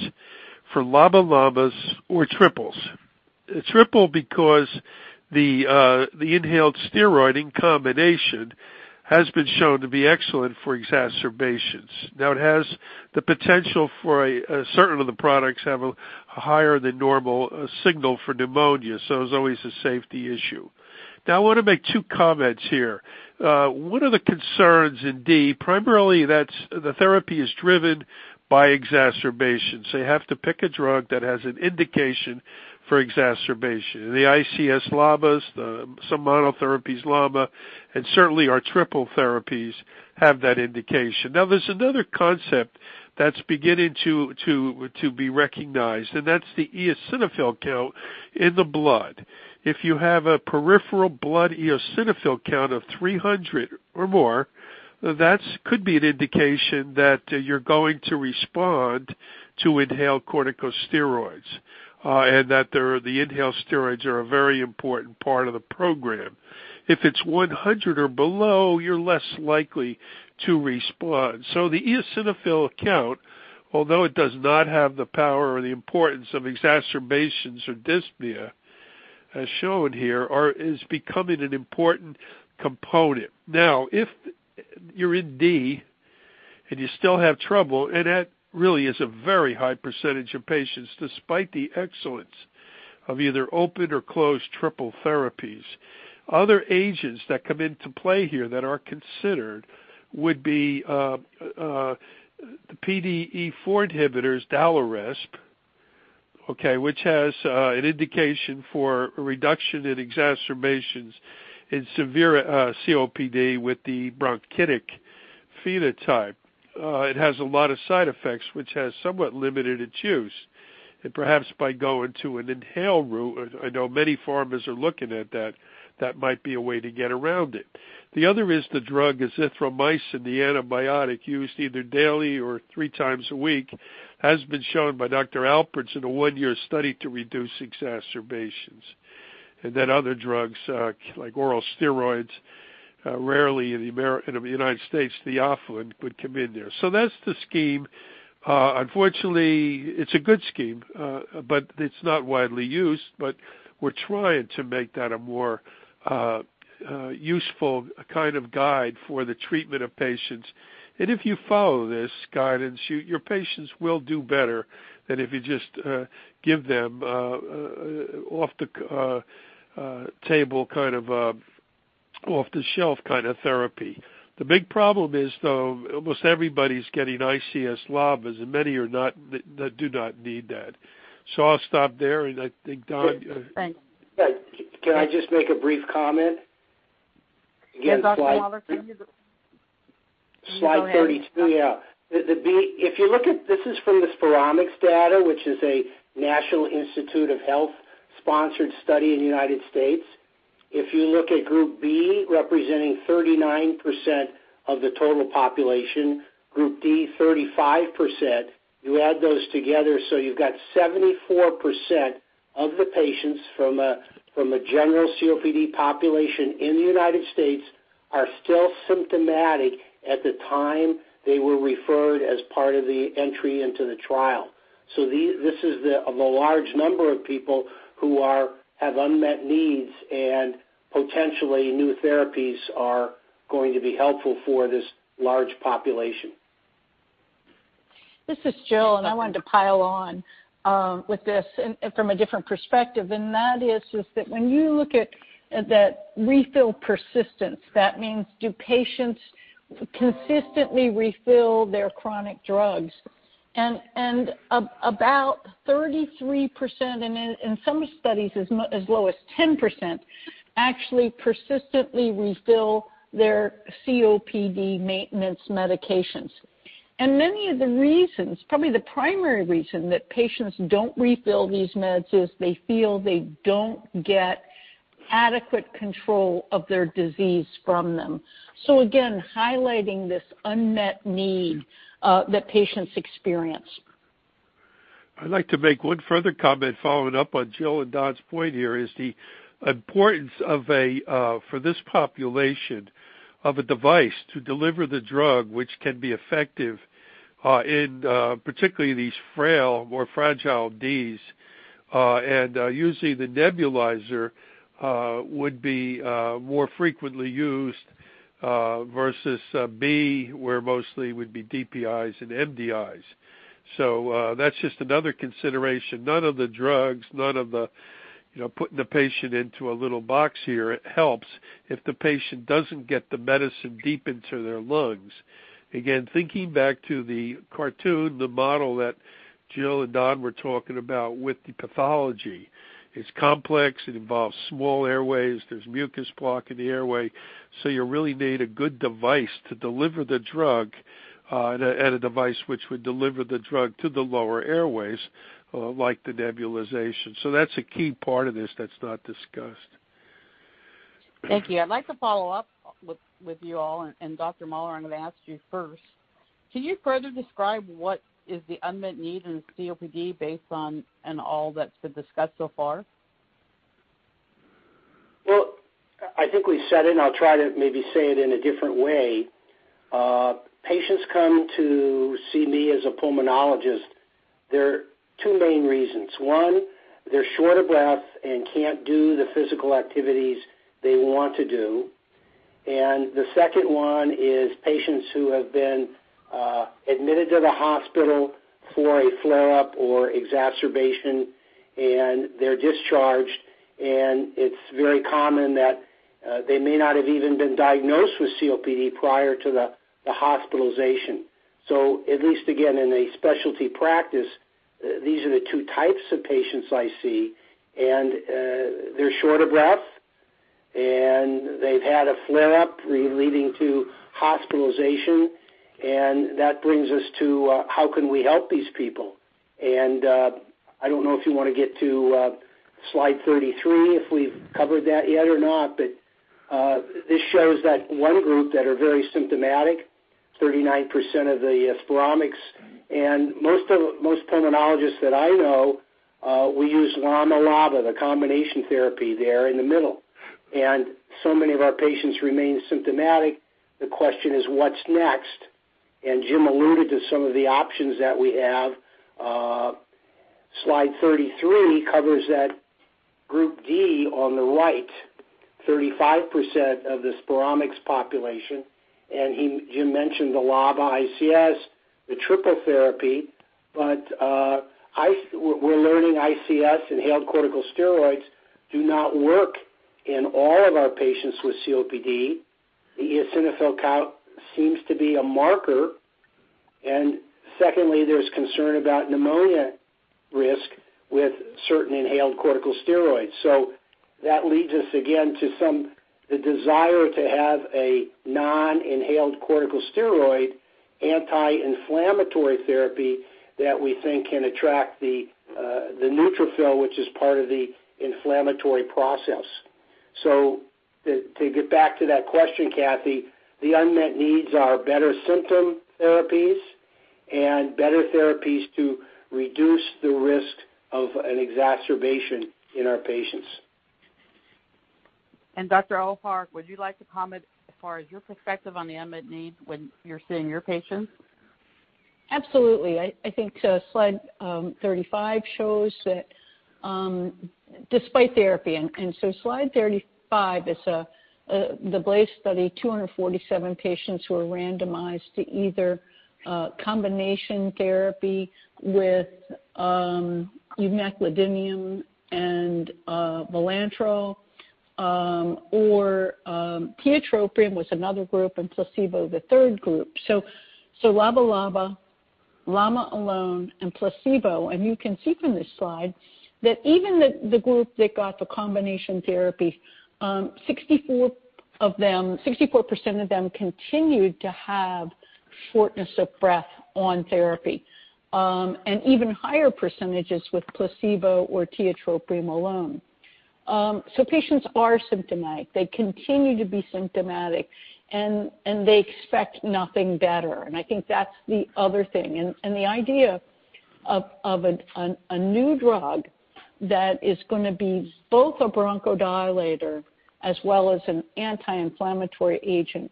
for LAMA, LAMAs, or triples. Triple because the inhaled steroid in combination has been shown to be excellent for exacerbations. Certain of the products have a higher than normal signal for pneumonia, so there's always a safety issue. I want to make two comments here. One of the concerns in D, primarily that's the therapy is driven by exacerbations. They have to pick a drug that has an indication for exacerbation. The ICS LAMAs, some monotherapy LAMA, and certainly our triple therapies have that indication. There's another concept that's beginning to be recognized, and that's the eosinophil count in the blood. If you have a peripheral blood eosinophil count of 300 or more, that could be an indication that you're going to respond to inhaled corticosteroids, and that the inhaled steroids are a very important part of the program. If it's 100 or below, you're less likely to respond. The eosinophil count, although it does not have the power or the importance of exacerbations or dyspnea as shown here, is becoming an important component. If you're in D and you still have trouble, and that really is a very high percentage of patients despite the excellence of either open or closed triple therapies. Other agents that come into play here that are considered would be, PDE4 inhibitors, DALIRESP, okay, which has an indication for a reduction in exacerbations in severe COPD with the bronchiectasis phenotype. It has a lot of side effects, which has somewhat limited its use. Perhaps by going to an inhaled route, I know many pharmas are looking at that. That might be a way to get around it. The other is the drug azithromycin, the antibiotic used either daily or three times a week, has been shown by Dr. Alpers in a one-year study to reduce exacerbations. Other drugs like oral steroids, rarely in the United States, theophylline would come in there. That's the scheme. Unfortunately, it's a good scheme, but it's not widely used. We're trying to make that a more useful kind of guide for the treatment of patients. If you follow this guidance, your patients will do better than if you just give them off-the-shelf kind of therapy. The big problem is, though, almost everybody's getting ICS LAMAs, and many do not need that. I'll stop there, and I think. Thanks. Can I just make a brief comment? Again, slide 32. Slide 32, yeah. This is from the SPIROMICS data, which is a National Institutes of Health sponsored study in the U.S. If you look at group B, representing 39% of the total population, group D, 35%, you've got 74% of the patients from a general COPD population in the U.S. are still symptomatic at the time they were referred as part of the entry into the trial. This is of a large number of people who have unmet needs, potentially new therapies are going to be helpful for this large population. This is Jill, and I wanted to pile on with this from a different perspective, and that is just that when you look at that refill persistence, that means, do patients consistently refill their chronic drugs? About 33%, and in some studies as low as 10%, actually persistently refill their COPD maintenance medications. Many of the reasons, probably the primary reason, that patients don't refill these meds is they feel they don't get adequate control of their disease from them. Again, highlighting this unmet need that patients experience. I'd like to make one further comment following up on Jill and Don's point here, is the importance, for this population, of a device to deliver the drug, which can be effective in, particularly these frail, more fragile Ds, and using the nebulizer would be more frequently used, versus B, where mostly would be DPIs and MDIs. That's just another consideration. None of the drugs, none of the putting the patient into a little box here, it helps if the patient doesn't get the medicine deep into their lungs. Again, thinking back to the cartoon, the model that Jill and Don were talking about with the pathology. It's complex, it involves small airways, there's mucus blocking the airway, so you really need a good device to deliver the drug, and a device which would deliver the drug to the lower airways, like the nebulization. That's a key part of this that's not discussed. Thank you. I'd like to follow up with you all, and Dr. Mahler, I'm going to ask you first. Can you further describe what is the unmet need in COPD based on and all that's been discussed so far? I think we said it, and I'll try to maybe say it in a different way. Patients come to see me as a pulmonologist. There are two main reasons. One, they're short of breath and can't do the physical activities they want to do. The second one is patients who have been admitted to the hospital for a flare-up or exacerbation, and they're discharged, and it's very common that they may not have even been diagnosed with COPD prior to the hospitalization. At least, again, in a specialty practice, these are the two types of patients I see, and they're short of breath, and they've had a flare-up leading to hospitalization, and that brings us to how can we help these people? I don't know if you want to get to slide 33, if we've covered that yet or not, but this shows that one group that are very symptomatic, 39% of the SPIROMICS, most pulmonologists that I know, we use LAMA/LABA, the combination therapy there in the middle. Many of our patients remain symptomatic. The question is, what's next? Jim alluded to some of the options that we have. Slide 33 covers that group D on the right, 35% of the SPIROMICS population, Jim mentioned the LABA/ICS, the triple therapy, we're learning ICS, inhaled corticosteroids, do not work in all of our patients with COPD. The eosinophil count seems to be a marker. Secondly, there's concern about pneumonia risk with certain inhaled corticosteroids. That leads us again to the desire to have a non-inhaled corticosteroid, anti-inflammatory therapy that we think can attract the neutrophil, which is part of the inflammatory process. To get back to that question, Kathy, the unmet needs are better symptom therapies and better therapies to reduce the risk of an exacerbation in our patients. Dr. Ohar, would you like to comment as far as your perspective on the unmet need when you're seeing your patients? Absolutely. I think slide 35 shows that despite therapy, slide 35 is the BLAZE study, 247 patients who were randomized to either combination therapy with umeclidinium and vilanterol, or tiotropium was another group, placebo the third group. LABA/LAMA alone, placebo. You can see from this slide that even the group that got the combination therapy, 64% of them continued to have shortness of breath on therapy, even higher percentages with placebo or tiotropium alone. Patients are symptomatic. They continue to be symptomatic, and they expect nothing better. I think that's the other thing. The idea of a new drug that is going to be both a bronchodilator as well as an anti-inflammatory agent,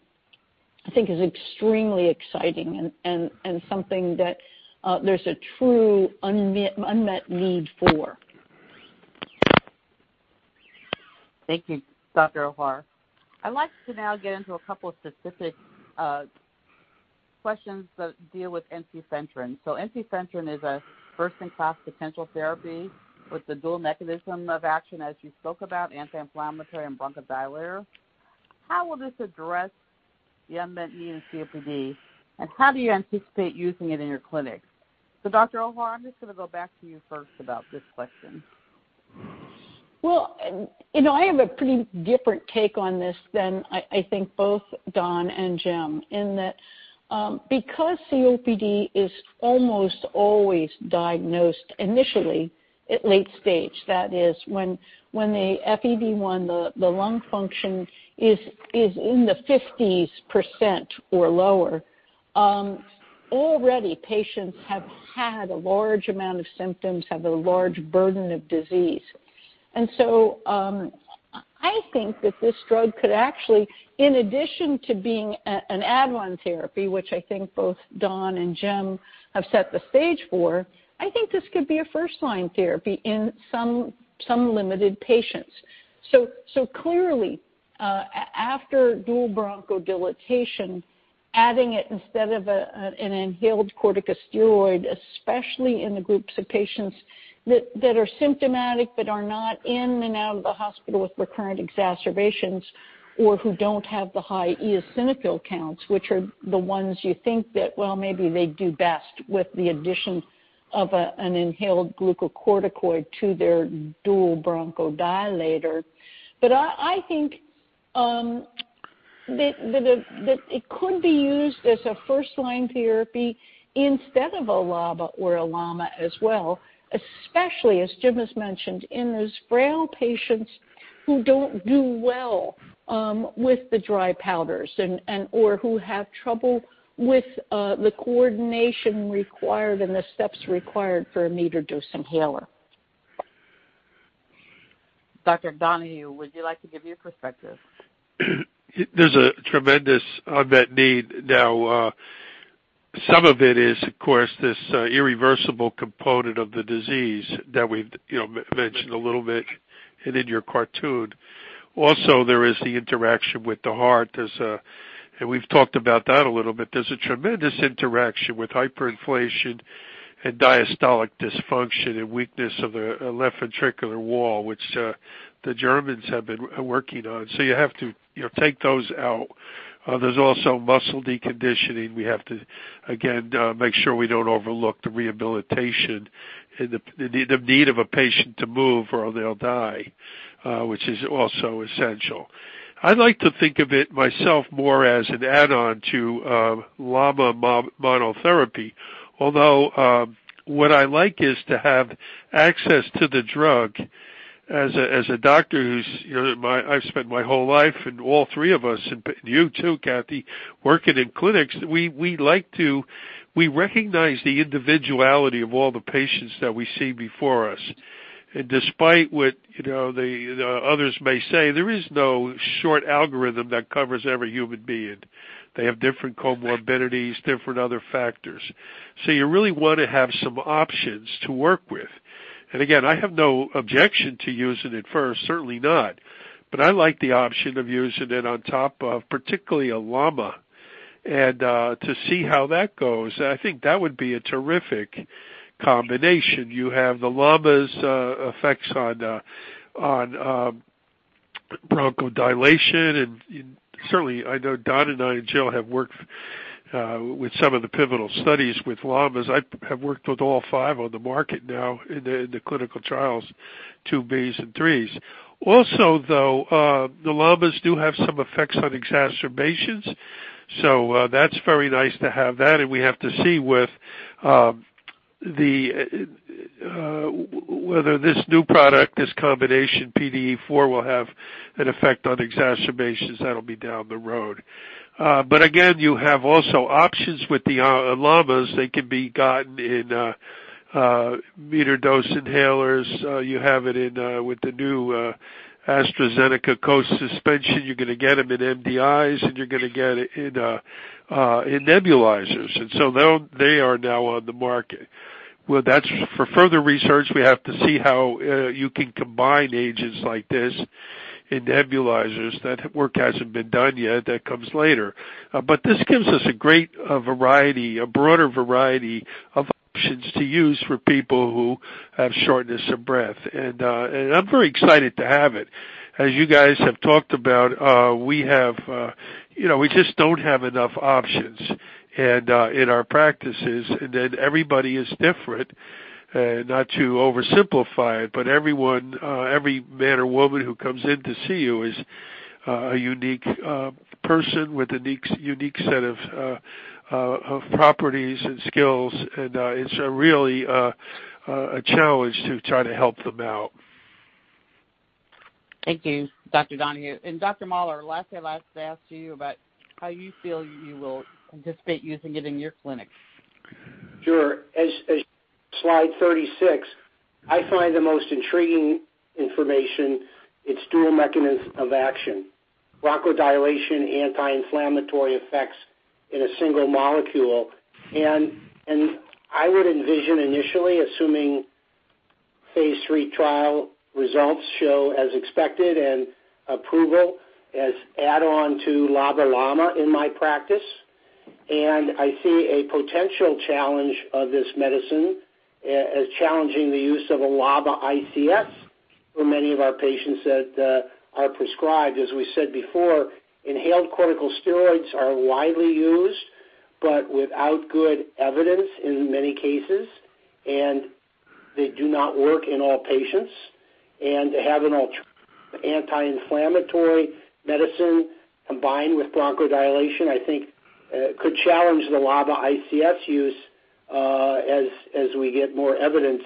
I think is extremely exciting and something that there's a true unmet need for. Thank you, Dr. Ohar. I'd like to now get into a couple of specific questions that deal with ensifentrine. Ensifentrine is a first-in-class potential therapy with the dual mechanism of action, as you spoke about, anti-inflammatory and bronchodilator. How will this address the unmet need in COPD, and how do you anticipate using it in your clinic? Dr. Ohar, I'm just going to go back to you first about this question. Well, I have a pretty different take on this than I think both Don and Jim, in that because COPD is almost always diagnosed initially at late stage, that is when the FEV1, the lung function, is in the 50s percent or lower. Already, patients have had a large amount of symptoms, have a large burden of disease. I think that this drug could actually, in addition to being an add-on therapy, which I think both Don and Jim have set the stage for, I think this could be a first-line therapy in some limited patients. Clearly, after dual bronchodilation, adding it instead of an inhaled corticosteroid, especially in the groups of patients that are symptomatic but are not in and out of the hospital with recurrent exacerbations, or who don't have the high eosinophil counts, which are the ones you think that, well, maybe they'd do best with the addition of an inhaled glucocorticoid to their dual bronchodilator. I think that it could be used as a first-line therapy instead of a LABA or a LAMA as well, especially, as Jim has mentioned, in those frail patients who don't do well with the dry powders or who have trouble with the coordination required and the steps required for a metered-dose inhaler. Dr. Donohue, would you like to give your perspective? There's a tremendous unmet need now. Some of it is, of course, this irreversible component of the disease that we've mentioned a little bit and in your cartoon. There is the interaction with the heart. We've talked about that a little bit. There's a tremendous interaction with hyperinflation and diastolic dysfunction and weakness of the left ventricular wall, which the Germans have been working on. You have to take those out. There's also muscle deconditioning. We have to, again, make sure we don't overlook the rehabilitation and the need of a patient to move, or they'll die, which is also essential. I like to think of it myself more as an add-on to LAMA monotherapy, although what I like is to have access to the drug as a doctor who's, I've spent my whole life, and all three of us, and you too, Kathy, working in clinics. We recognize the individuality of all the patients that we see before us. Despite what others may say, there is no short algorithm that covers every human being. They have different comorbidities, different other factors. You really want to have some options to work with. Again, I have no objection to using it first, certainly not, but I like the option of using it on top of particularly a LAMA and to see how that goes. I think that would be a terrific combination. You have the LAMAs' effects on bronchodilation, and certainly I know Don and I and Jill have worked with some of the pivotal studies with LAMAs. I have worked with all five on the market now in the clinical trials, phase IIbs and phase IIIs. Though, the LAMAs do have some effects on exacerbations, that's very nice to have that, we have to see whether this new product, this combination PDE4, will have an effect on exacerbations. That'll be down the road. Again, you have also options with the LAMAs. They can be gotten in meter dose inhalers. You have it with the new AstraZeneca Co-Suspension. You're going to get them in MDIs, you're going to get it in nebulizers. They are now on the market. Well, that's for further research. We have to see how you can combine agents like this in nebulizers. That work hasn't been done yet. That comes later. This gives us a great variety, a broader variety of options to use for people who have shortness of breath. I'm very excited to have it. As you guys have talked about, we just don't have enough options in our practices, and then everybody is different. Not to oversimplify it, but everyone, every man or woman who comes in to see you is a unique person with a unique set of properties and skills, and it's really a challenge to try to help them out. Thank you, Dr. Donohue. Dr. Mahler, lastly, I'd like to ask you about how you feel you will anticipate using it in your clinic? Sure. As slide 36, I find the most intriguing information, its dual mechanism of action. Bronchodilation, anti-inflammatory effects in a single molecule. I would envision initially, assuming phase III trial results show as expected, and approval as add-on to LABA/LAMA in my practice. I see a potential challenge of this medicine as challenging the use of a LABA-ICS for many of our patients that are prescribed. As we said before, inhaled corticosteroids are widely used, but without good evidence in many cases, and they do not work in all patients. To have an anti-inflammatory medicine combined with bronchodilation, I think could challenge the LABA-ICS use, as we get more evidence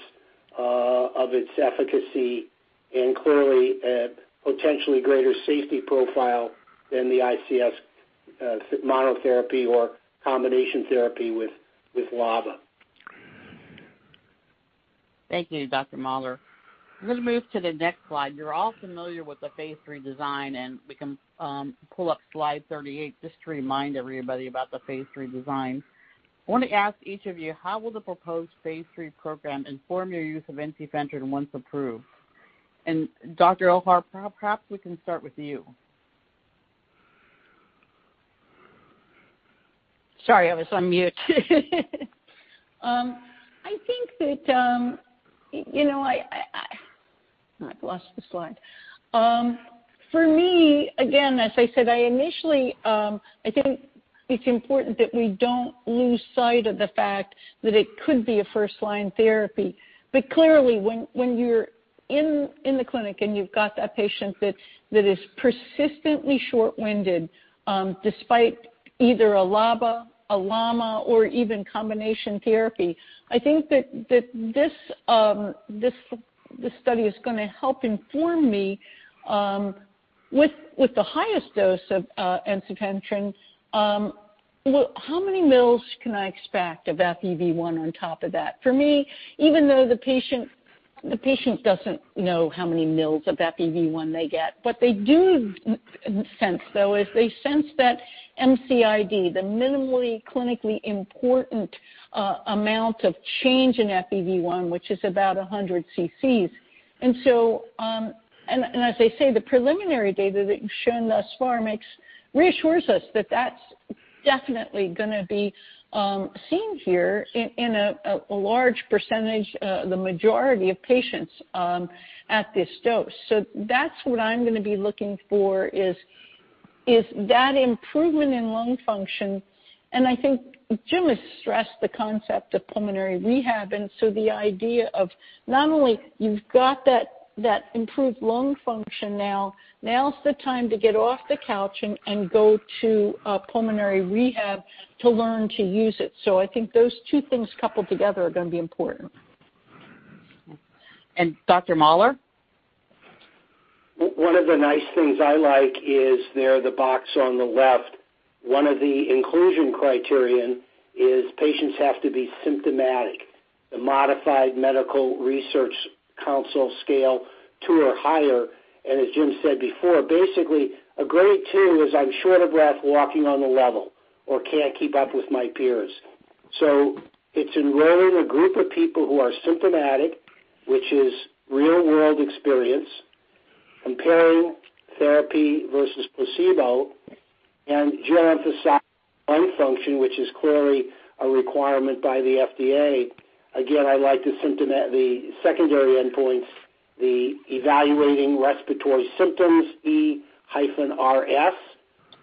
of its efficacy and clearly, potentially greater safety profile than the ICS monotherapy or combination therapy with LABA. Thank you, Dr. Mahler. I'm going to move to the next slide. You're all familiar with the phase III design, and we can pull up slide 38 just to remind everybody about the phase III design. I want to ask each of you, how will the proposed phase III program inform your use of ensifentrine once approved? Dr. Ohar, perhaps we can start with you. Sorry, I was on mute. I think that, I've lost the slide. For me, again, as I said, I initially think it's important that we don't lose sight of the fact that it could be a first-line therapy. Clearly, when you're in the clinic and you've got that patient that is persistently short-winded, despite either a LABA, a LAMA, or even combination therapy, I think that this study is going to help inform me, with the highest dose of ensifentrine, how many mils can I expect of FEV1 on top of that? For me, even though the patient doesn't know how many mils of FEV1 they get, what they do sense, though, is they sense that MCID, the minimally clinically important amount of change in FEV1, which is about 100 cc. As they say, the preliminary data that you've shown thus far reassures us that that's definitely going to be seen here in a large percentage, the majority of patients, at this dose. That's what I'm going to be looking for is that improvement in lung function. I think Jim has stressed the concept of pulmonary rehab, the idea of not only you've got that improved lung function now's the time to get off the couch and go to pulmonary rehab to learn to use it. I think those two things coupled together are going to be important. Dr. Mahler? One of the nice things I like is there, the box on the left. One of the inclusion criterion is patients have to be symptomatic. The modified Medical Research Council scale 2 or higher. As Jim said before, basically a Grade 2 is I'm short of breath walking on the level or can't keep up with my peers. It's enrolling a group of people who are symptomatic, which is real-world experience, comparing therapy versus placebo, and Jim emphasized lung function, which is clearly a requirement by the FDA. Again, I like the secondary endpoints, the evaluating respiratory symptoms, E-RS,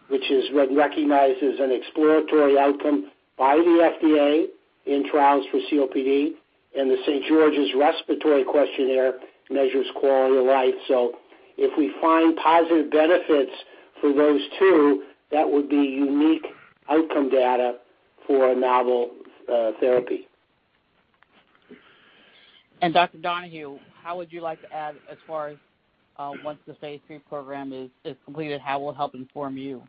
which is recognized as an exploratory outcome by the FDA in trials for COPD, and the St. George's Respiratory Questionnaire measures quality of life. If we find positive benefits for those two, that would be unique outcome data for a novel therapy. Dr. Donohue, how would you like to add as far as once the phase III program is completed, how it will help inform you?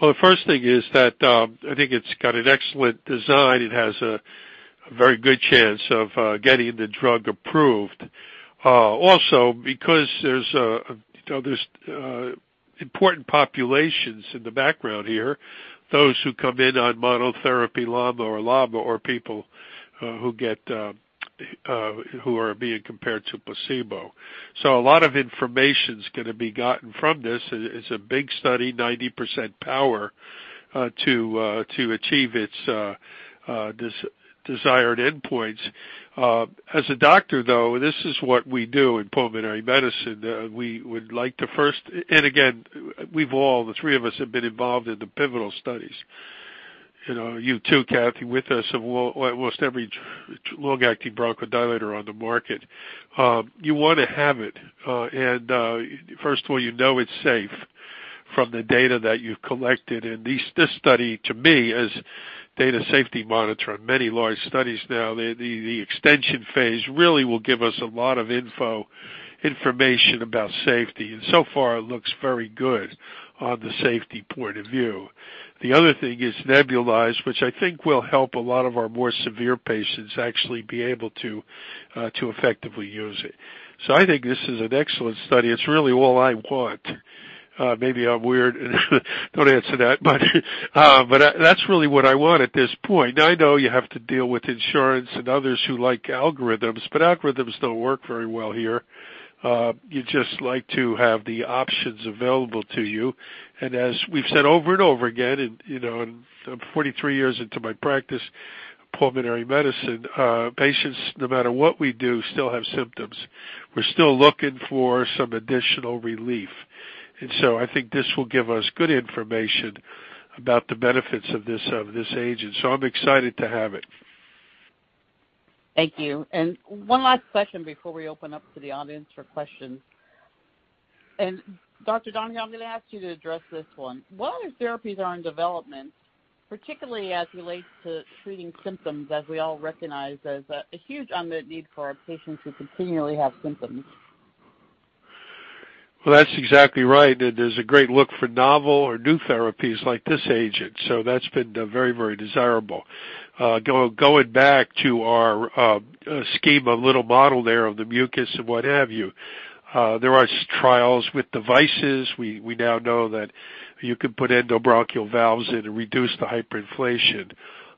The first thing is that I think it's got an excellent design. It has a very good chance of getting the drug approved. Because there's important populations in the background here, those who come in on monotherapy LAMA or LABA, or people who are being compared to placebo. A lot of information is going to be gotten from this. It's a big study, 90% power, to achieve its desired endpoints. As a doctor, though, this is what we do in pulmonary medicine. We would like to first, again, we've all, the three of us, have been involved in the pivotal studies, you too, Kathy, with us, almost every long-acting bronchodilator on the market. You want to have it. First of all, you know it's safe from the data that you've collected. This study, to me, as data safety monitor on many large studies now, the extension phase really will give us a lot of information about safety, and so far it looks very good on the safety point of view. The other thing is nebulized, which I think will help a lot of our more severe patients actually be able to effectively use it. I think this is an excellent study. It's really all I want. Maybe I'm weird. Don't answer that. That's really what I want at this point. Now, I know you have to deal with insurance and others who like algorithms, but algorithms don't work very well here. You just like to have the options available to you. As we've said over and over again, and I'm 43 years into my practice, pulmonary medicine, patients, no matter what we do, still have symptoms. We're still looking for some additional relief. I think this will give us good information about the benefits of this agent. I'm excited to have it. Thank you. One last question before we open up to the audience for questions. Dr. Donohue, I'm going to ask you to address this one. What other therapies are in development, particularly as it relates to treating symptoms, as we all recognize there's a huge unmet need for our patients who continually have symptoms? Well, that's exactly right. There's a great look for novel or new therapies like this agent. That's been very, very desirable. Going back to our scheme, a little model there of the mucus and what have you. There are trials with devices. We now know that you can put endobronchial valves in and reduce the hyperinflation.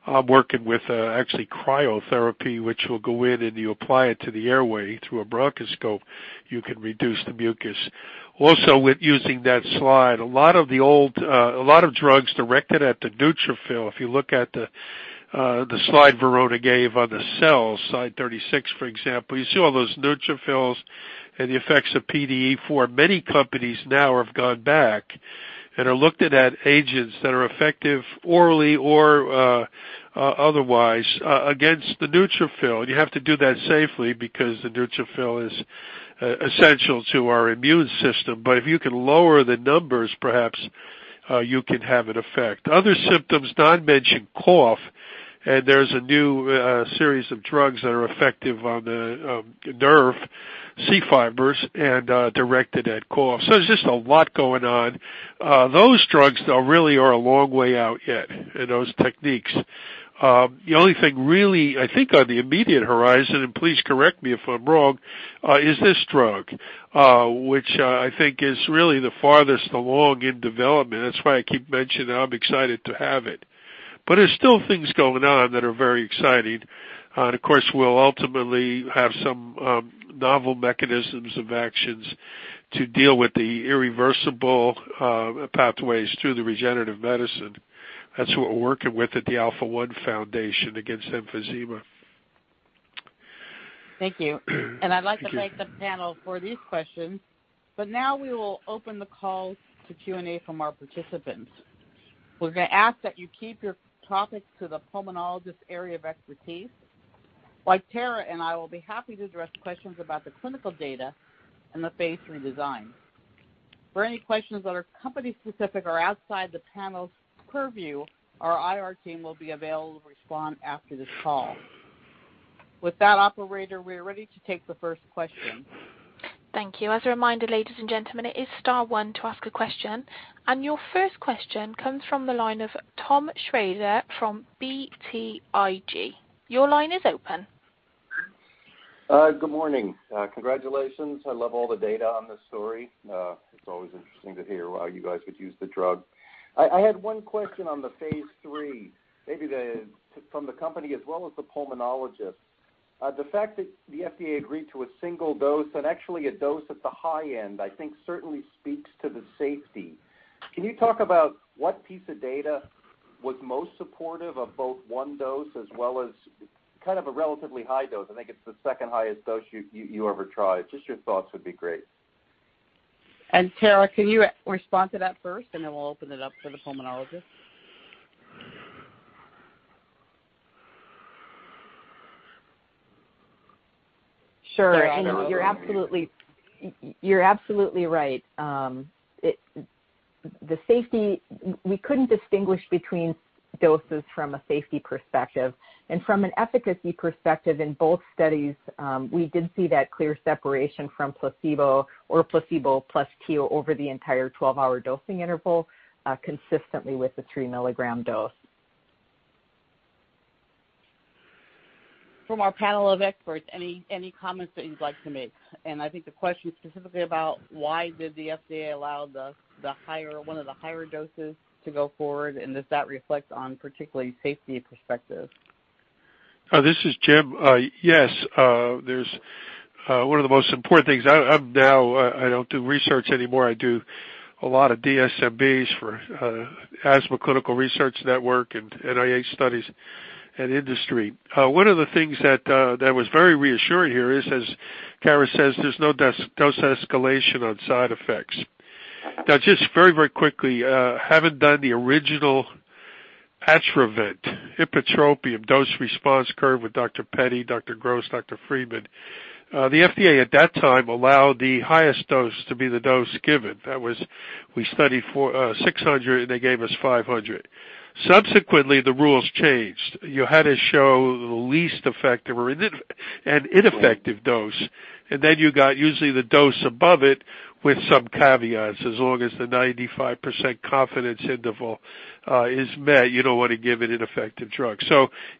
I'm working with actually cryotherapy, which will go in and you apply it to the airway through a bronchoscope. You can reduce the mucus. Also with using that slide, a lot of drugs directed at the neutrophil. If you look at the slide Verona gave on the cells, slide 36, for example, you see all those neutrophils and the effects of PDE4. Many companies now have gone back and are looking at agents that are effective orally or otherwise against the neutrophil. You have to do that safely because the neutrophil is essential to our immune system. If you can lower the numbers, perhaps you can have an effect. Other symptoms, Don mentioned cough, and there's a new series of drugs that are effective on the nerve C fibers and are directed at cough. There's just a lot going on. Those drugs, though, really are a long way out yet, and those techniques. The only thing really, I think on the immediate horizon, and please correct me if I'm wrong, is this drug which I think is really the farthest along in development. That's why I keep mentioning I'm excited to have it. There's still things going on that are very exciting. Of course, we'll ultimately have some novel mechanisms of actions to deal with the irreversible pathways through the regenerative medicine. That's what we're working with at the Alpha-1 Foundation against emphysema. Thank you. Thank you. I'd like to thank the panel for these questions. Now we will open the call to Q&A from our participants. We're going to ask that you keep your topics to the pulmonologist's area of expertise. Both Tara and I will be happy to address questions about the clinical data and the phase III design. For any questions that are company specific or outside the panel's purview, our IR team will be available to respond after this call. With that, operator, we are ready to take the first question. Thank you. As a reminder, ladies and gentlemen, it is star one to ask a question. Your first question comes from the line of Tom Shrader from BTIG. Your line is open. Good morning. Congratulations. I love all the data on this story. It's always interesting to hear how you guys would use the drug. I had one question on the phase III, maybe from the company as well as the pulmonologist. The fact that the FDA agreed to a single dose and actually a dose at the high end, I think certainly speaks to the safety. Can you talk about what piece of data was most supportive of both one dose as well as kind of a relatively high dose? I think it's the second highest dose you ever tried. Just your thoughts would be great. Tara, can you respond to that first, and then we'll open it up for the pulmonologist. Sure. You're absolutely right. We couldn't distinguish between doses from a safety perspective. From an efficacy perspective, in both studies, we did see that clear separation from placebo or placebo plus TIO over the entire 12-hour dosing interval, consistently with the 3 mg dose. From our panel of experts, any comments that you'd like to make? I think the question specifically about why did the FDA allow one of the higher doses to go forward, and does that reflect on particularly safety perspective? This is Jim. Yes. One of the most important things. I don't do research anymore. I do a lot of DSMBs for Asthma Clinical Research Network and NIH studies and industry. One of the things that was very reassuring here is, as Tara says, there's no dose escalation on side effects. Now, just very quickly, having done the original Atrovent, ipratropium dose response curve with Dr. Petty, Dr. Gross, Dr. Friedman. The FDA at that time allowed the highest dose to be the dose given. We studied for 600, and they gave us 500. Subsequently, the rules changed. You had to show the least effective or an ineffective dose, and then you got usually the dose above it with some caveats, as long as the 95% confidence interval is met, you don't want to give an ineffective drug.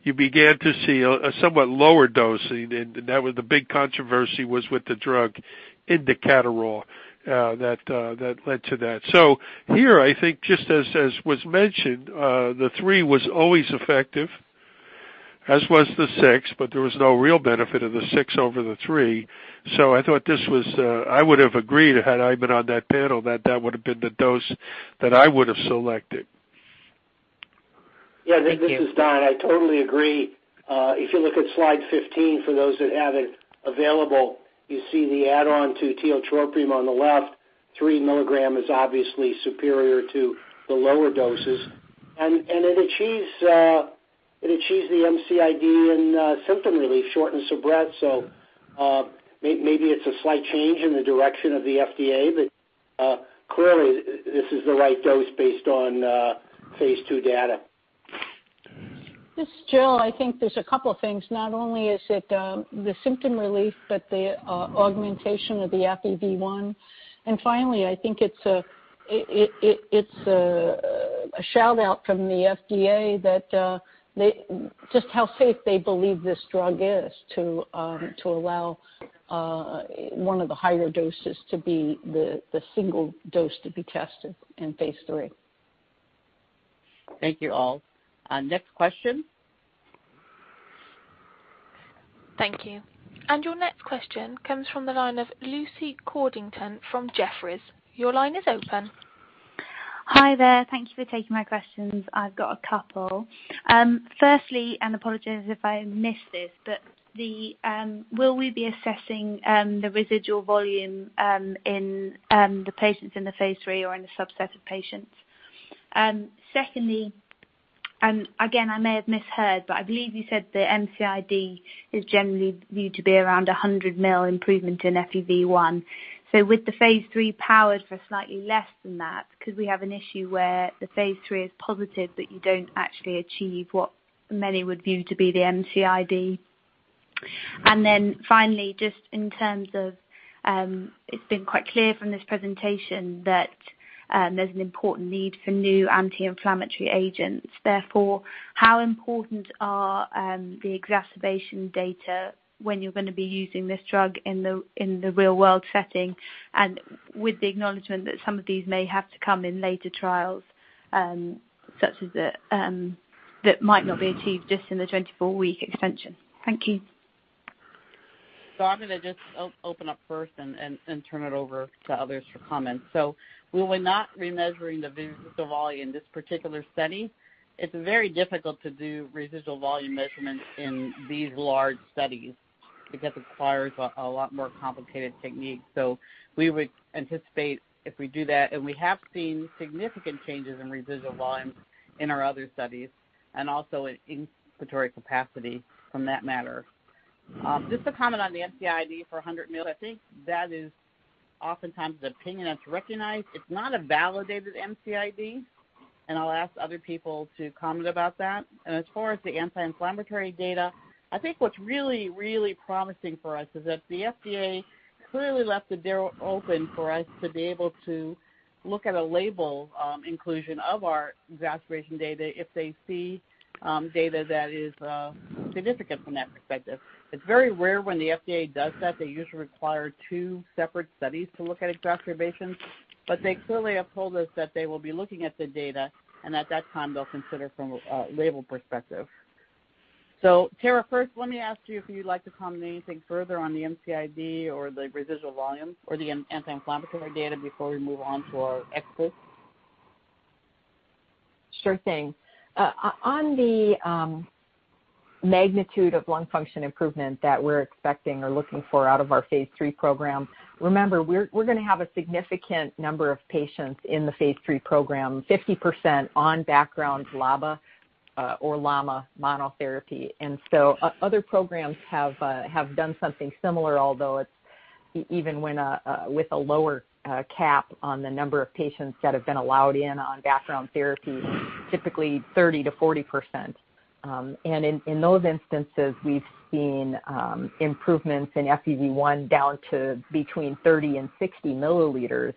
You began to see a somewhat lower dosing, and the big controversy was with the drug indacaterol that led to that. Here, I think, just as was mentioned, the 0.3 mg was always effective, as was the 0.6 mg, but there was no real benefit of the 0.6 mg over the 0.3 mg. I would have agreed, had I been on that panel, that that would have been the dose that I would have selected. Yeah. Thank you. This is Don. I totally agree. If you look at slide 15, for those that have it available, you see the add-on to tiotropium on the left, 3 mg is obviously superior to the lower doses, and it achieves the MCID in symptom relief, shortness of breath. Maybe it's a slight change in the direction of the FDA, but clearly, this is the right dose based on phase II data. This is Jill. I think there's a couple things. Not only is it the symptom relief, but the augmentation of the FEV1. Finally, I think it's a shout-out from the FDA, just how safe they believe this drug is to allow one of the higher doses to be the single dose to be tested in phase III. Thank you all. Next question. Thank you. Your next question comes from the line of Lucy Codrington from Jefferies. Your line is open. Hi there. Thank you for taking my questions. I've got a couple. Firstly, apologies if I missed this, will we be assessing the residual volume in the patients in the phase III or in the subset of patients? Secondly, again, I may have misheard, I believe you said the MCID is generally viewed to be around 100 mL improvement in FEV1. With the phase III powered for slightly less than that, could we have an issue where the phase III is positive, you don't actually achieve what many would view to be the MCID? Finally, it's been quite clear from this presentation that there's an important need for new anti-inflammatory agents. How important are the exacerbation data when you're going to be using this drug in the real-world setting, with the acknowledgment that some of these may have to come in later trials such as that might not be achieved just in the 24-week extension? Thank you. I'm going to just open up first and turn it over to others for comment. We were not remeasuring the residual volume in this particular study. It's very difficult to do residual volume measurements in these large studies because it requires a lot more complicated techniques. We would anticipate if we do that, and we have seen significant changes in residual volumes in our other studies and also in inspiratory capacity from that matter. Just to comment on the MCID for 100 mL, I think that is oftentimes the opinion that's recognized. It's not a validated MCID, and I'll ask other people to comment about that. As far as the anti-inflammatory data, I think what's really promising for us is that the FDA clearly left the door open for us to be able to look at a label inclusion of our exacerbation data if they see data that is significant from that perspective. It's very rare when the FDA does that. They usually require two separate studies to look at exacerbations. They clearly have told us that they will be looking at the data, and at that time, they'll consider from a label perspective. Tara, first, let me ask you if you'd like to comment anything further on the MCID or the residual volumes or the anti-inflammatory data before we move on to our experts? Sure thing. On the magnitude of lung function improvement that we're expecting or looking for out of our phase III program, remember, we're going to have a significant number of patients in the phase III program, 50% on background LABA or LAMA monotherapy. Other programs have done something similar, although even with a lower cap on the number of patients that have been allowed in on background therapy, typically 30%-40%. In those instances, we've seen improvements in FEV1 down to between 30 mL and 60 mL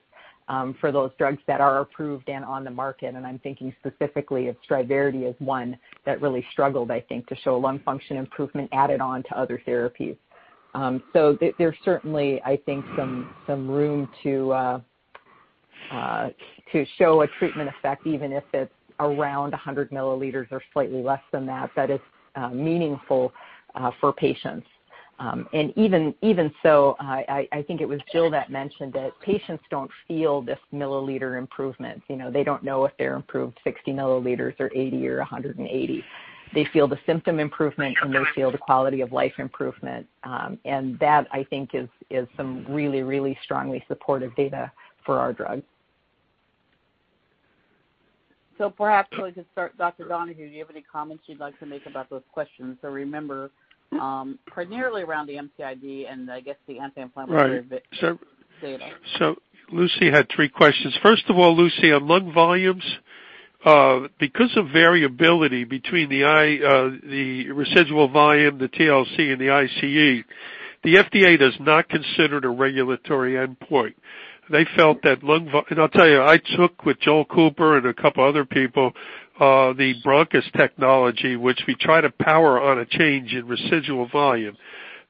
for those drugs that are approved and on the market, and I'm thinking specifically of Striverdi as one that really struggled, I think, to show a lung function improvement added on to other therapies. There's certainly, I think some room to show a treatment effect, even if it's around 100 mL or slightly less than that is meaningful for patients. Even so, I think it was Jill that mentioned that patients don't feel this milliliter improvement. They don't know if they're improved 60 mL or 80 mL or 180 mL. They feel the symptom improvement, and they feel the quality of life improvement. That, I think is some really, really strongly supportive data for our drug. Perhaps we'll just start, Dr. Donohue, do you have any comments you'd like to make about those questions? Remember, primarily around the MCID data. Right. Lucy had three questions. First of all, Lucy, on lung volumes. Because of variability between the residual volume, the TLC, and the ICE, the FDA does not consider it a regulatory endpoint. I'll tell you, I took, with Joel Cooper and a couple other people, the Broncus technology, which we try to power on a change in residual volume.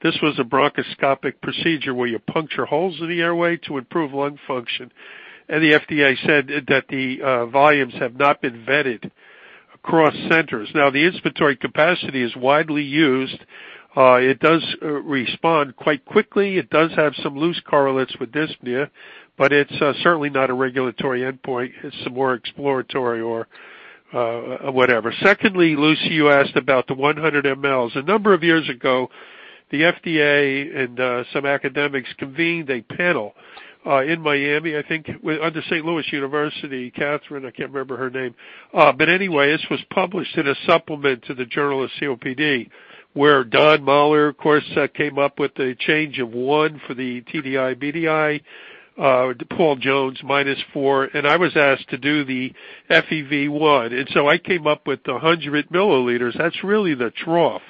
This was a bronchoscopic procedure where you puncture holes in the airway to improve lung function. The FDA said that the volumes have not been vetted across centers. The inspiratory capacity is widely used. It does respond quite quickly. It does have some loose correlates with dyspnea, but it's certainly not a regulatory endpoint. It's more exploratory or whatever. Secondly, Lucy, you asked about the 100 mLs. A number of years ago, the FDA and some academics convened a panel in Miami, I think, under Saint Louis University. Catherine, I can't remember her name. Anyway, this was published in a supplement to the Journal of COPD, where Don Mahler, of course, came up with a change of one for the TDI, BDI. Paul Jones, -4. I was asked to do the FEV1. I came up with the 100 mL. That's really the trough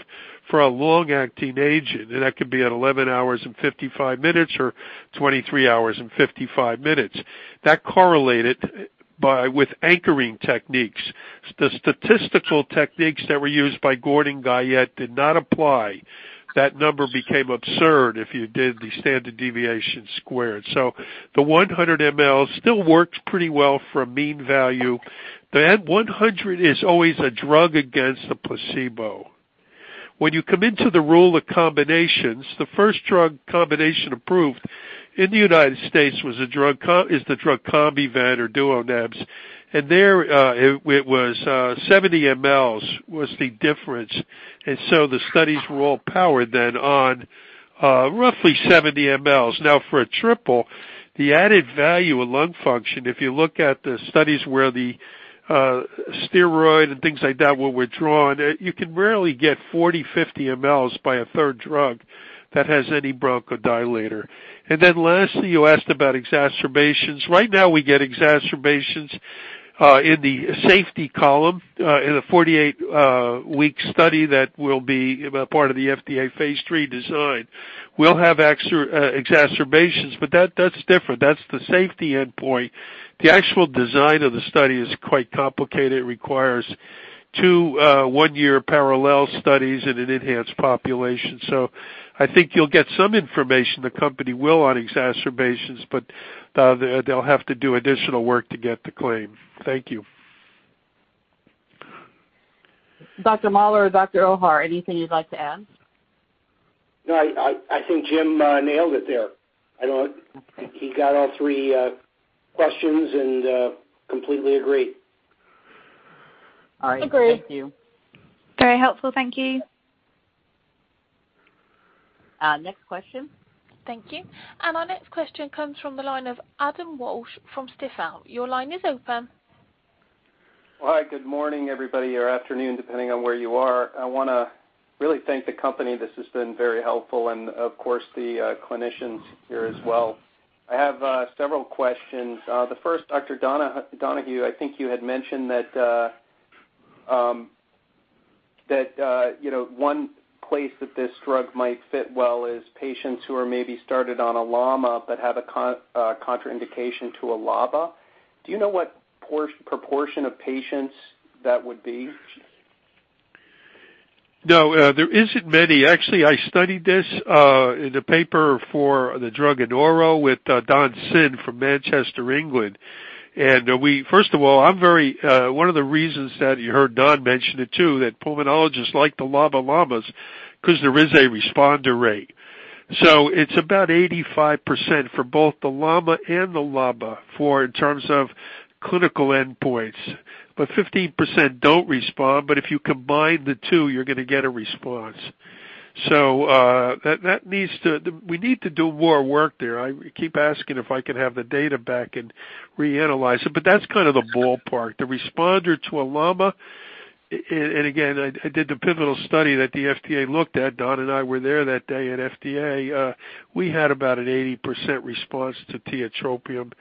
for a long-acting agent. That could be at 11 hours and 55 minutes or 23 hours and 55 minutes. That correlated with anchoring techniques. The statistical techniques that were used by Gordon Guyatt did not apply. That number became absurd if you did the standard deviation squared. The 100 mL still works pretty well for a mean value. That 100 mL is always a drug against the placebo. You come into the rule of combinations, the first drug combination approved in the U.S. is the drug COMBIVENT or DuoNeb. There, it was 70 mL was the difference. The studies were all powered then on roughly 70 mL. Now, for a triple, the added value of lung function, if you look at the studies where the steroid and things like that were withdrawn, you can rarely get 40 mL, 50 mL by a third drug that has any bronchodilator. Lastly, you asked about exacerbations. Right now, we get exacerbations in the safety column in a 48-week study that will be part of the FDA phase III design. We'll have exacerbations, that's different. That's the safety endpoint. The actual design of the study is quite complicated. It requires two one-year parallel studies in an ENHANCE population. I think you'll get some information, the company will, on exacerbations, but they'll have to do additional work to get the claim. Thank you. Dr. Mahler or Dr. Ohar, anything you'd like to add? No, I think Jim nailed it there. He got all three questions, and completely agree. All right. Agreed. Thank you. Very helpful. Thank you. Next question. Thank you. Our next question comes from the line of Adam Walsh from Stifel. Your line is open. Hi. Good morning, everybody, or afternoon, depending on where you are. I want to really thank the company. This has been very helpful, and of course, the clinicians here as well. I have several questions. The first, Dr. Donohue, I think you had mentioned that one place that this drug might fit well is patients who are maybe started on a LAMA but have a contraindication to a LABA. Do you know what proportion of patients that would be? No, there isn't many. I studied this in the paper for the drug ANORO with Don Sin from Manchester, England. One of the reasons that you heard Don mention it, too, that pulmonologists like the LAMA/LABAs because there is a responder rate. It's about 85% for both the LAMA and the LABA, in terms of clinical endpoints. 15% don't respond, if you combine the two, you're going to get a response. We need to do more work there. I keep asking if I could have the data back and reanalyze it. That's kind of the ballpark. The responder to a LAMA, again, I did the pivotal study that the FDA looked at. Don and I were there that day at FDA. We had about an 80% response to tiotropium,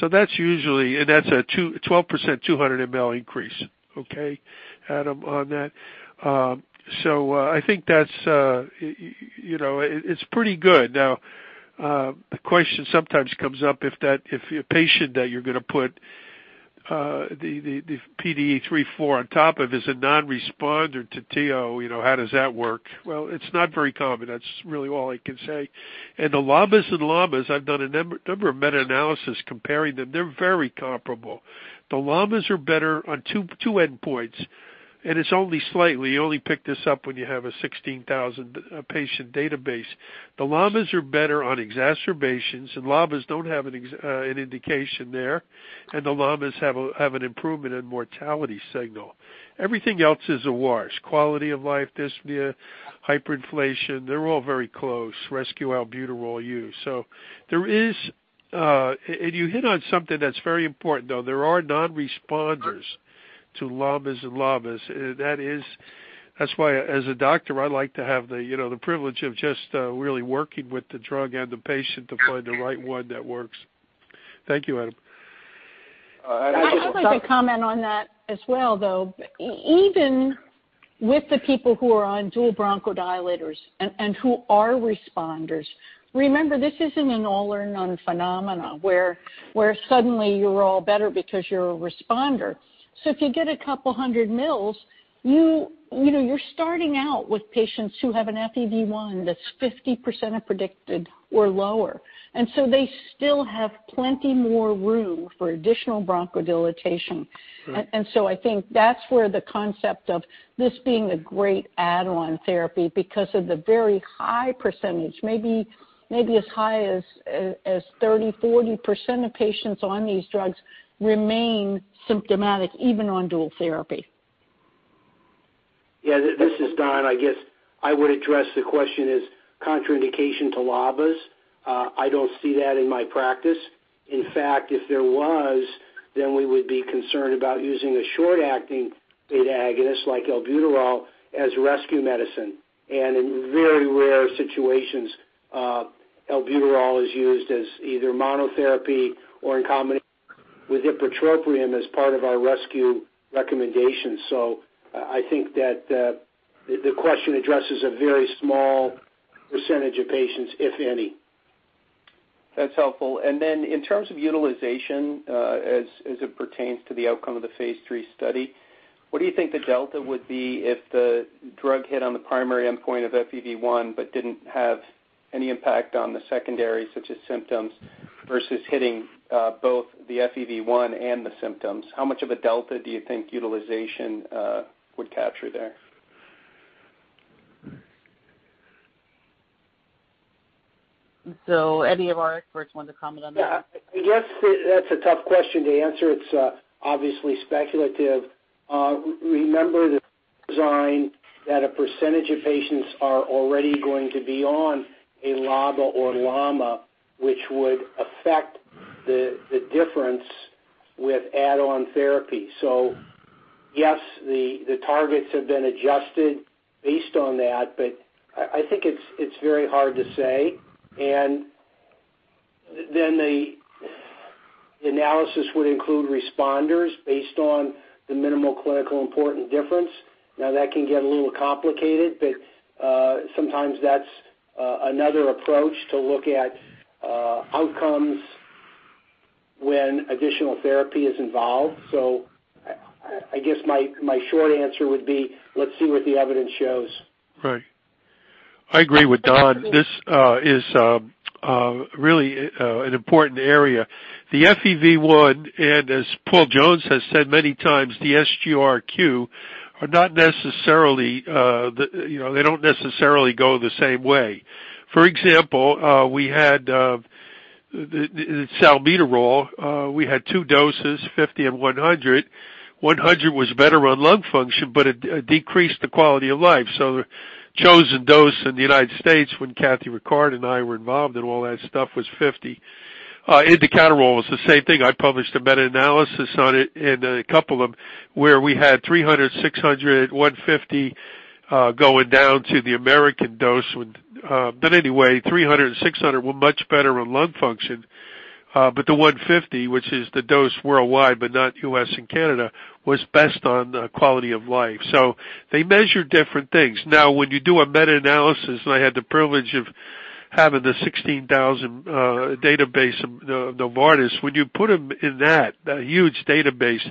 that's a 12% 200 mL increase, okay, Adam, on that. I think it's pretty good. Now, the question sometimes comes up if a patient that you're going to put the PDE3/4 on top of is a non-responder to TO, how does that work? Well, it's not very common. That's really all I can say. The LABAs and LAMAs, I've done a number of meta-analysis comparing them. They're very comparable. The LABAs are better on two endpoints, and it's only slightly. You only pick this up when you have a 16,000 patient database. The LABAs are better on exacerbations, and LABAs don't have an indication there, and the LABAs have an improvement in mortality signal. Everything else is a wash. Quality of life, dyspnea, hyperinflation, they're all very close. Rescue albuterol use. You hit on something that's very important, though. There are non-responders to LABAs and LAMAs. That's why, as a doctor, I like to have the privilege of just really working with the drug and the patient to find the right one that works. Thank you, Adam. I'd like to comment on that as well, though. Even with the people who are on dual bronchodilators and who are responders, remember, this isn't an all or none phenomenon where suddenly you're all better because you're a responder. If you get a couple 100 mLs, you're starting out with patients who have an FEV1 that's 50% of predicted or lower. They still have plenty more room for additional bronchodilation. Sure. I think that's where the concept of this being a great add-on therapy because of the very high percentage, maybe as high as 30%, 40% of patients on these drugs remain symptomatic even on dual therapy. Yeah, this is Don. I guess I would address the question is contraindication to LABAs. In fact, if there was, then we would be concerned about using a short-acting beta agonist like albuterol as rescue medicine. In very rare situations, albuterol is used as either monotherapy or in combination with ipratropium as part of our rescue recommendations. I think that the question addresses a very small percentage of patients, if any. That's helpful. In terms of utilization, as it pertains to the outcome of the phase III study, what do you think the delta would be if the drug hit on the primary endpoint of FEV1 but didn't have any impact on the secondary, such as symptoms, versus hitting both the FEV1 and the symptoms? How much of a delta do you think utilization would capture there? Any of our experts want to comment on that? Yeah. I guess that's a tough question to answer. It's obviously speculative. Remember the design that a percentage of patients are already going to be on a LABA or LAMA, which would affect the difference with add-on therapy. Yes, the targets have been adjusted based on that, but I think it's very hard to say. The analysis would include responders based on the minimal clinical important difference. Now, that can get a little complicated, but sometimes that's another approach to look at outcomes when additional therapy is involved. I guess my short answer would be, let's see what the evidence shows. Right. I agree with Don. This is really an important area. The FEV1, and as Paul Jones has said many times, the SGRQ, they don't necessarily go the same way. We had salmeterol. We had two doses, 50 mcg and 100 mcg. 100 mcg was better on lung function, it decreased the quality of life. The chosen dose in the United States when Kathy Rickard and I were involved and all that stuff was 50 mcg. Indacaterol was the same thing. I published a meta-analysis on it in a couple of them where we had 300 mcg, 600 mcg, 150 mcg going down to the American dose. But anyway, 300 mcg and 600 mcg were much better on lung function. But the 150 mcg, which is the dose worldwide, but not U.S. and Canada, was best on quality of life. They measure different things. When you do a meta-analysis, I had the privilege of having the 16,000 database of Novartis. When you put them in that huge database,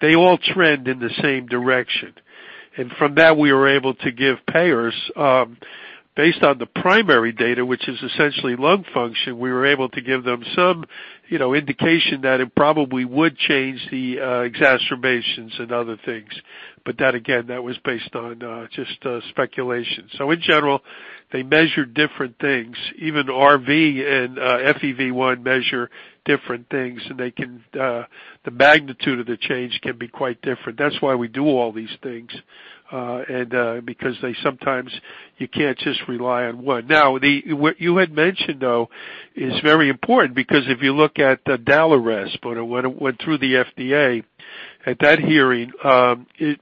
they all trend in the same direction. From that, we were able to give payers, based on the primary data, which is essentially lung function, we were able to give them some indication that it probably would change the exacerbations and other things. That, again, that was based on just speculation. In general, they measure different things. Even RV and FEV1 measure different things, and the magnitude of the change can be quite different. That's why we do all these things, because they sometimes you can't just rely on one. What you had mentioned, though, is very important because if you look at the DALIRESP when it went through the FDA, at that hearing, the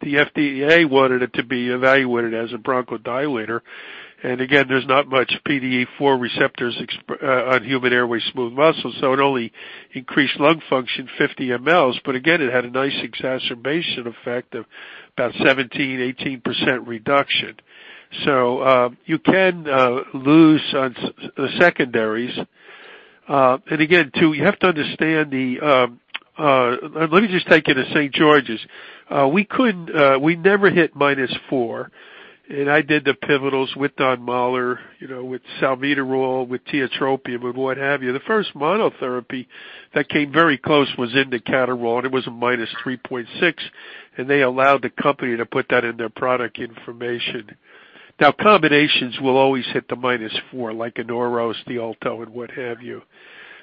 FDA wanted it to be evaluated as a bronchodilator. Again, there's not much PDE4 receptors on human airway smooth muscle, so it only increased lung function 50 mL. Again, it had a nice exacerbation effect of about 17%-18% reduction. You can lose on the secondaries. Let me just take you to St. George's. We never hit -4, and I did the pivotals with Don Mahler, with salmeterol, with tiotropium, and what have you. The first monotherapy that came very close was indacaterol, and it was -3.6, and they allowed the company to put that in their product information. Combinations will always hit the -4, like ANORO, STIOLTO and what have you.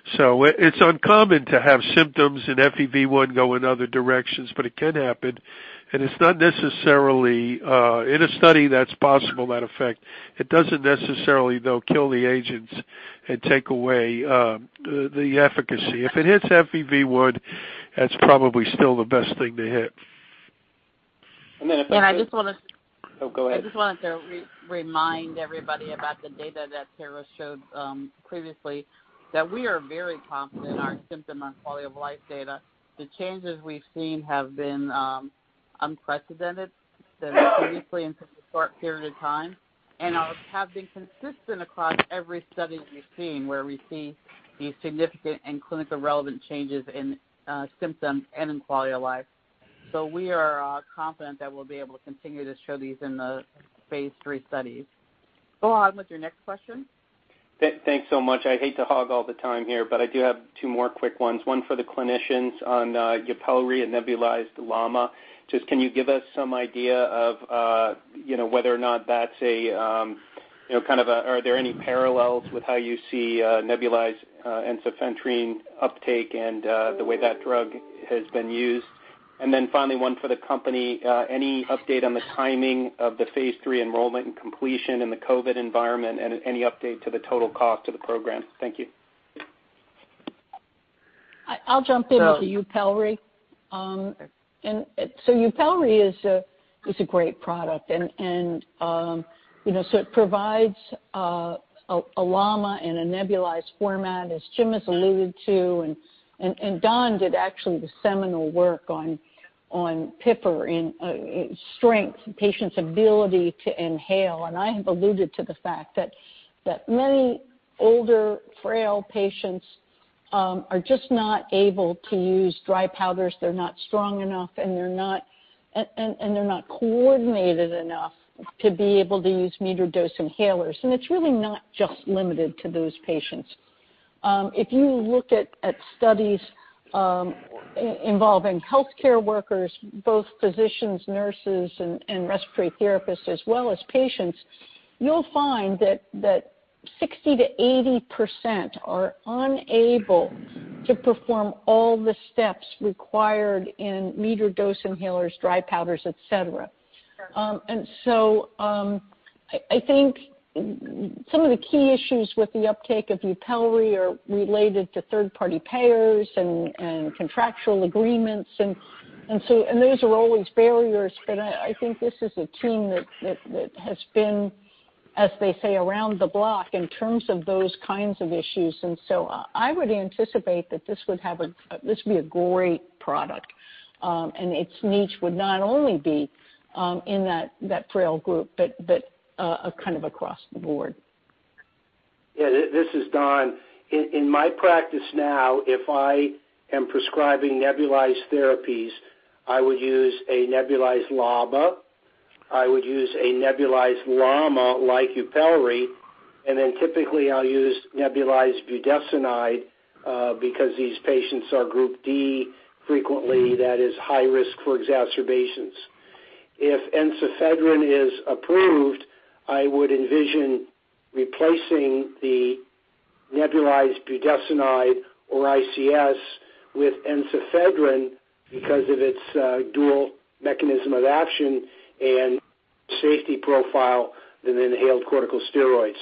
It's uncommon to have symptoms in FEV1 go in other directions, but it can happen. It's not necessarily, in a study that's possible, that effect. It doesn't necessarily, though, kill the agents and take away the efficacy. If it hits FEV1, that's probably still the best thing to hit. if I could- And I just wanted to- Oh, go ahead. I just wanted to remind everybody about the data that Tara showed previously, that we are very confident in our symptom on quality of life data. The changes we've seen have been unprecedented, significantly in such a short period of time, and have been consistent across every study we've seen, where we see these significant and clinically relevant changes in symptoms and in quality of life. We are confident that we'll be able to continue to show these in the phase III studies. Go on with your next question. Thanks so much. I hate to hog all the time here, but I do have two more quick ones, one for the clinicians on YUPELRI and nebulized LAMA. Just can you give us some idea of whether or not Are there any parallels with how you see nebulized ensifentrine uptake and the way that drug has been used? Finally, one for the company, any update on the timing of the phase III enrollment and completion in the COVID environment, and any update to the total cost of the program? Thank you. I'll jump in with the YUPELRI. YUPELRI is a great product. It provides a LAMA in a nebulized format, as Jim has alluded to, and Don did actually the seminal work on PIFR in strength, patient's ability to inhale. I have alluded to the fact that many older, frail patients are just not able to use dry powders. They're not strong enough, and they're not coordinated enough to be able to use metered dose inhalers. It's really not just limited to those patients. If you look at studies involving healthcare workers, both physicians, nurses, and respiratory therapists, as well as patients, you'll find that 60%-80% are unable to perform all the steps required in metered dose inhalers, dry powders, et cetera. I think some of the key issues with the uptake of YUPELRI are related to third-party payers and contractual agreements, and those are always barriers. I think this is a team that has been, as they say, around the block in terms of those kinds of issues. I would anticipate that this would be a great product. It's niche would not only be in that frail group but kind of across the board. Yeah, this is Don. In my practice now, if I am prescribing nebulized therapies, I would use a nebulized LABA. I would use a nebulized LAMA, like YUPELRI, and then typically I'll use nebulized budesonide because these patients are group D frequently, that is high risk for exacerbations. If ensifentrine is approved, I would envision replacing the nebulized budesonide or ICS with ensifentrine because of its dual mechanism of action and safety profile than inhaled corticosteroids.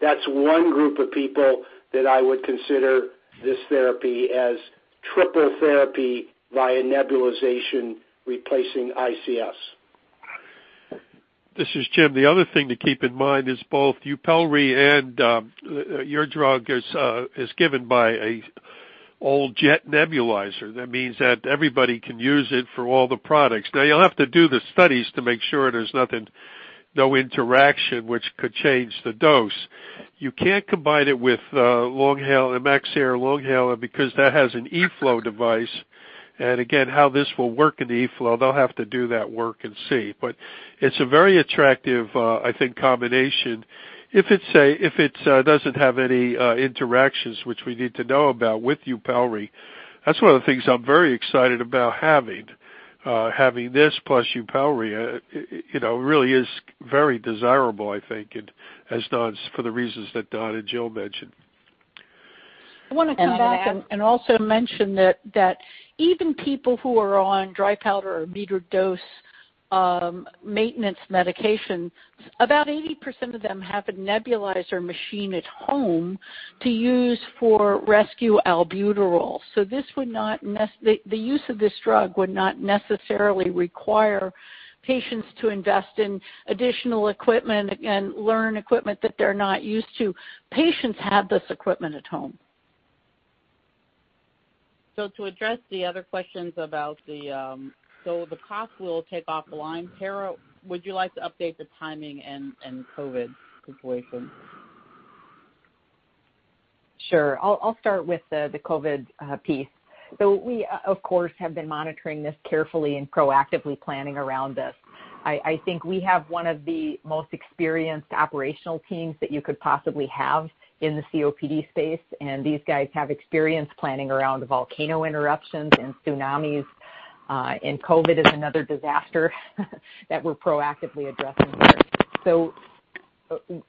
That's one group of people that I would consider this therapy as triple therapy via nebulization replacing ICS. This is Jim. The other thing to keep in mind is both YUPELRI and your drug is given by an old jet nebulizer. That means that everybody can use it for all the products. You'll have to do the studies to make sure there's no interaction which could change the dose. You can't combine it with the Lonhala Magnair because that has an eFlow device. Again, how this will work in the eFlow, they'll have to do that work and see. It's a very attractive, I think, combination. If it doesn't have any interactions, which we need to know about with YUPELRI, that's one of the things I'm very excited about having. Having this plus YUPELRI, really is very desirable, I think, for the reasons that Don and Jill mentioned. I want to come back and also mention that even people who are on dry powder or metered dose maintenance medication, about 80% of them have a nebulizer machine at home to use for rescue albuterol. The use of this drug would not necessarily require patients to invest in additional equipment and learn equipment that they're not used to. Patients have this equipment at home. To address the other questions about the cost we'll take offline. Tara, would you like to update the timing and COVID situation? Sure. I'll start with the COVID piece. We, of course, have been monitoring this carefully and proactively planning around this. I think we have one of the most experienced operational teams that you could possibly have in the COPD space, and these guys have experience planning around volcano interruptions and tsunamis, and COVID is another disaster that we're proactively addressing here.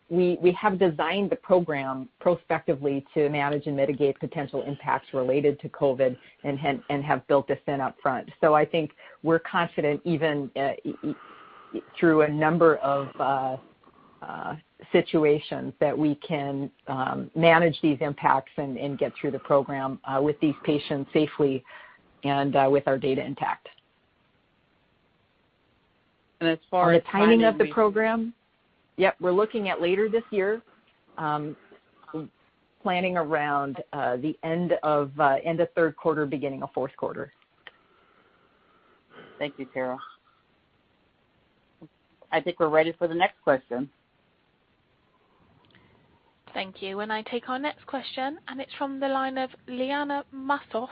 We have designed the program prospectively to manage and mitigate potential impacts related to COVID and have built this in upfront. I think we're confident even through a number of situations that we can manage these impacts and get through the program with these patients safely and with our data intact. As far as timing. The timing of the program, yep, we're looking at later this year, planning around the end of third quarter, beginning of fourth quarter. Thank you, Tara. I think we're ready for the next question. Thank you. I take our next question, and it's from the line of Liana Moussatos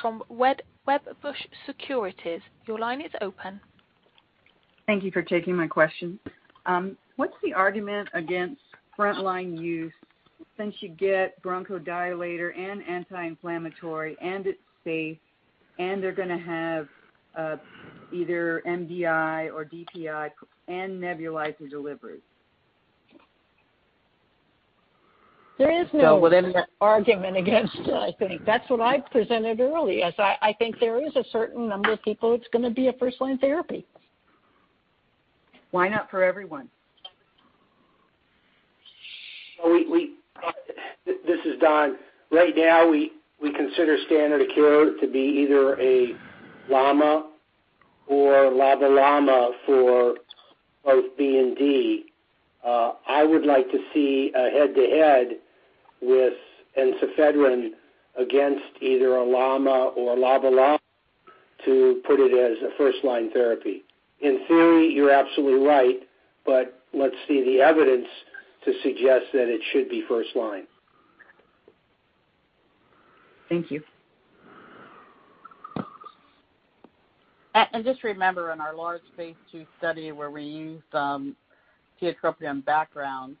from Wedbush Securities. Your line is open. Thank you for taking my question. What's the argument against frontline use since you get bronchodilator and anti-inflammatory, and it's safe, and they're going to have either MDI or DPI and nebulizer delivery? There is no– So within the- –argument against it I think. That's what I've presented early. I think there is a certain number of people it's going to be a first-line therapy. Why not for everyone? This is Don. Right now, we consider standard of care to be either a LAMA or LABA/LAMA for both B and D. I would like to see a head-to-head with ensifentrine against either a LAMA or a LABA/LAMA to put it as a first-line therapy. In theory, you're absolutely right. Let's see the evidence to suggest that it should be first line. Thank you. Just remember, in our large phase II study where we used tiotropium background,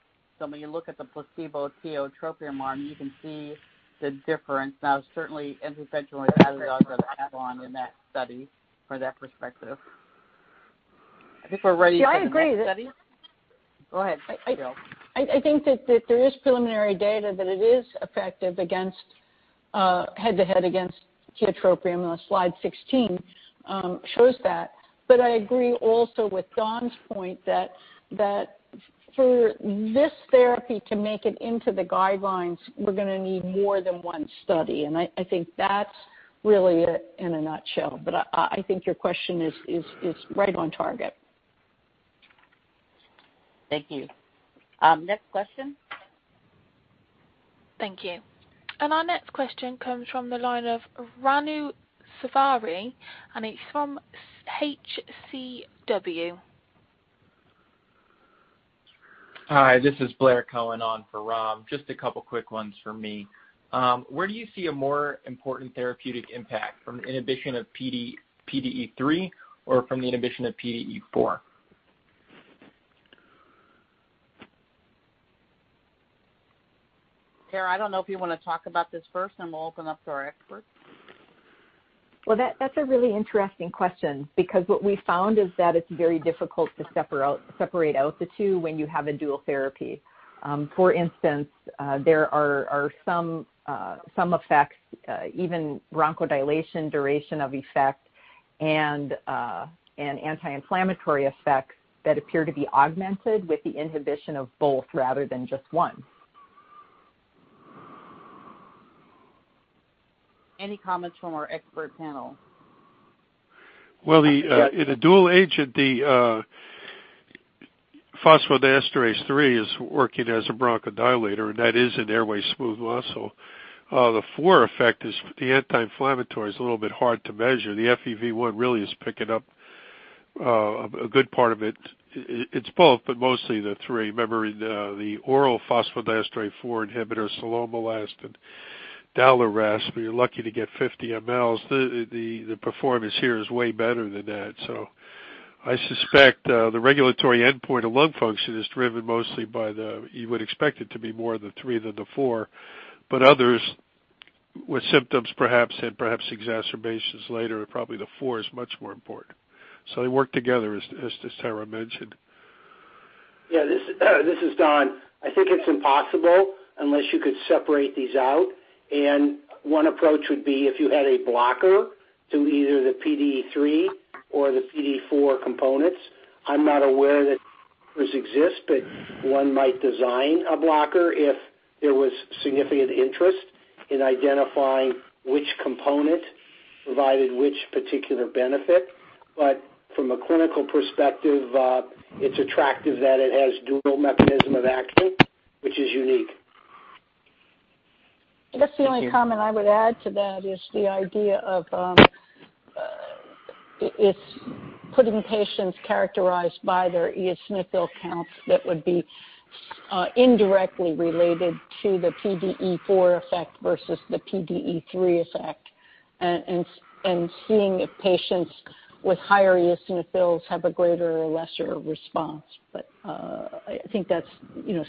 when you look at the placebo tiotropium arm, you can see the difference. Certainly ensifentrine and resembling have gone in that study from that perspective. I think we're ready for the next study. Yeah, I agree that. Go ahead, Jill. I think that there is preliminary data that it is effective head-to-head against tiotropium, and slide 16 shows that. I agree also with Don's point that for this therapy to make it into the guidelines, we're going to need more than one study, and I think that's really it in a nutshell. I think your question is right on target. Thank you. Next question. Thank you. Our next question comes from the line of Ram Selvaraju, and it's from HCW. Hi, this is Blair Cohen on for Ram. Just a couple quick ones from me. Where do you see a more important therapeutic impact, from inhibition of PDE3 or from the inhibition of PDE4? Tara, I don't know if you want to talk about this first, and we'll open up to our experts. Well, that's a really interesting question because what we found is that it's very difficult to separate out the two when you have a dual therapy. For instance, there are some effects, even bronchodilation, duration of effect, and anti-inflammatory effects that appear to be augmented with the inhibition of both rather than just one. Any comments from our expert panel? In a dual agent, the phosphodiesterase-3 is working as a bronchodilator, and that is an airway smooth muscle. The PDE4 effect is the anti-inflammatory. It's a little bit hard to measure. The FEV1 really is picking up a good part of it. It's both, but mostly the PDE3. Remember, the oral phosphodiesterase 4 inhibitor, cilomilast and DALIRESP, we are lucky to get 50 mLs. The performance here is way better than that. I suspect the regulatory endpoint of lung function is driven mostly by the. You would expect it to be more the PDE3 than the PDE4, but others with symptoms perhaps, had perhaps exacerbations later, and probably the PDE4 is much more important. They work together, as Tara mentioned. Yeah, this is Don. I think it's impossible unless you could separate these out. One approach would be if you had a blocker to either the PDE3 or the PDE4 components. I'm not aware that these exist. One might design a blocker if there was significant interest in identifying which component provided which particular benefit. From a clinical perspective, it's attractive that it has dual mechanism of action, which is unique. Thank you. I guess the only comment I would add to that is the idea of putting patients characterized by their eosinophil counts that would be indirectly related to the PDE4 effect versus the PDE3 effect and seeing if patients with higher eosinophils have a greater or lesser response. I think that's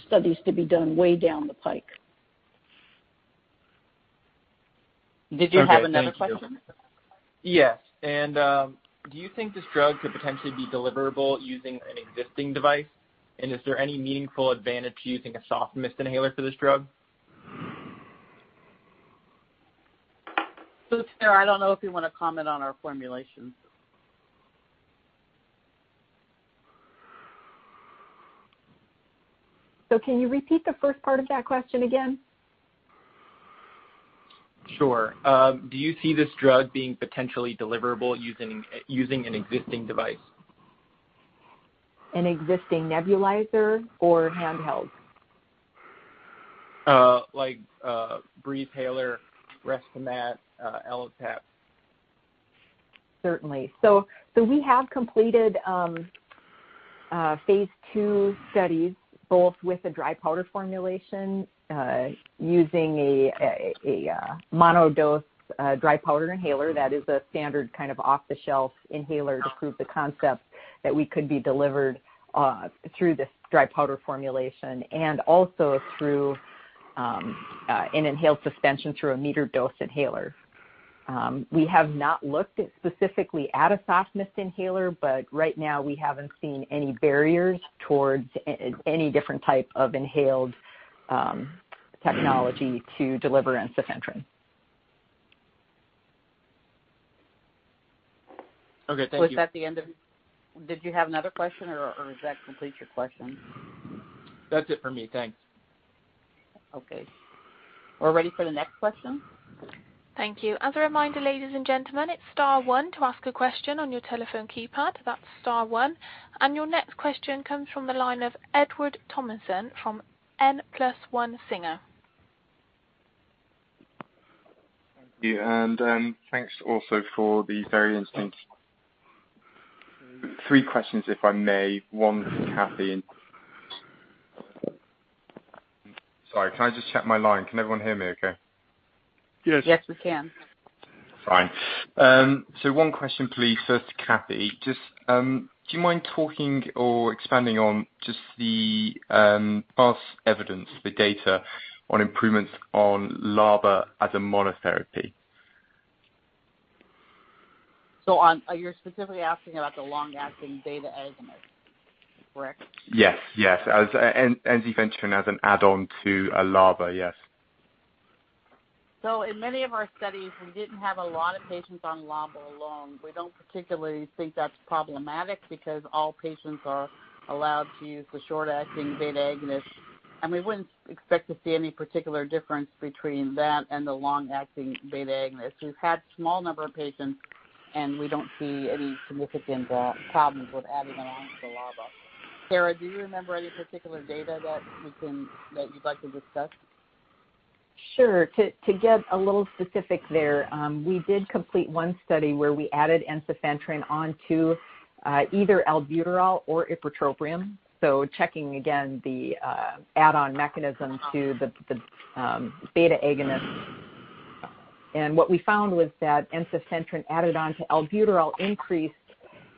studies to be done way down the pike. Did you have another question? Okay. Thank you. Yes. Do you think this drug could potentially be deliverable using an existing device? Is there any meaningful advantage to using a soft mist inhaler for this drug? Tara, I don't know if you want to comment on our formulations. Can you repeat the first part of that question again? Sure. Do you see this drug being potentially deliverable using an existing device? An existing nebulizer or handheld? Like, Breezhaler, Respimat, Ellipta. Certainly. We have completed phase II studies both with the dry powder formulation, using a monodose dry powder inhaler that is a standard off-the-shelf inhaler to prove the concept that we could be delivered through this dry powder formulation. Also through an inhaled suspension through a metered dose inhaler. We have not looked specifically at a soft mist inhaler, but right now we haven't seen any barriers towards any different type of inhaled technology to deliver ensifentrine. Okay. Thank you. Did you have another question, or does that complete your questions? That's it for me. Thanks. Okay. We're ready for the next question. Thank you. As a reminder, ladies and gentlemen, it's star one to ask a question on your telephone keypad. That's star one. Your next question comes from the line of Edward Thomason from N+1 Singer. Thank you, thanks also for the very interesting. Three questions, if I may. One for Kathy. Sorry, can I just check my line? Can everyone hear me okay? Yes. Yes, we can. Fine. One question please, first to Kathy. Do you mind talking or expanding on just the past evidence, the data on improvements on LABA as a monotherapy? You're specifically asking about the long-acting beta agonist, correct? Yes. As ensifentrine as an add-on to a LABA. Yes. In many of our studies, we didn't have a lot of patients on LABA alone. We don't particularly think that's problematic because all patients are allowed to use the short-acting beta agonist, and we wouldn't expect to see any particular difference between that and the long-acting beta agonist. We've had small number of patients, and we don't see any significant problems with adding on to LABA. Tara, do you remember any particular data that you'd like to discuss? Sure. To get a little specific there, we did complete one study where we added ensifentrine onto either albuterol or ipratropium. Checking again the add-on mechanism to the beta agonist. What we found was that ensifentrine added onto albuterol increased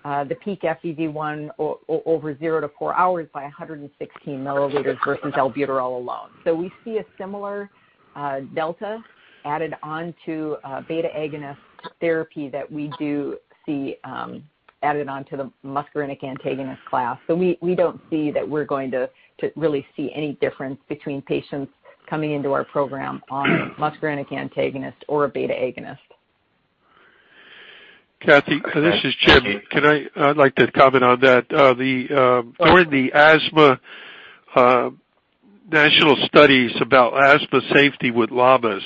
the peak FEV1 over 0-4 hours by 116 mL versus albuterol alone. We see a similar delta added onto beta-agonist therapy that we do see added onto the muscarinic antagonist class. We don't see that we're going to really see any difference between patients coming into our program on muscarinic antagonist or a beta-agonist. Kathy, this is Jim. I'd like to comment on that. During the asthma national studies about asthma safety with LABAs,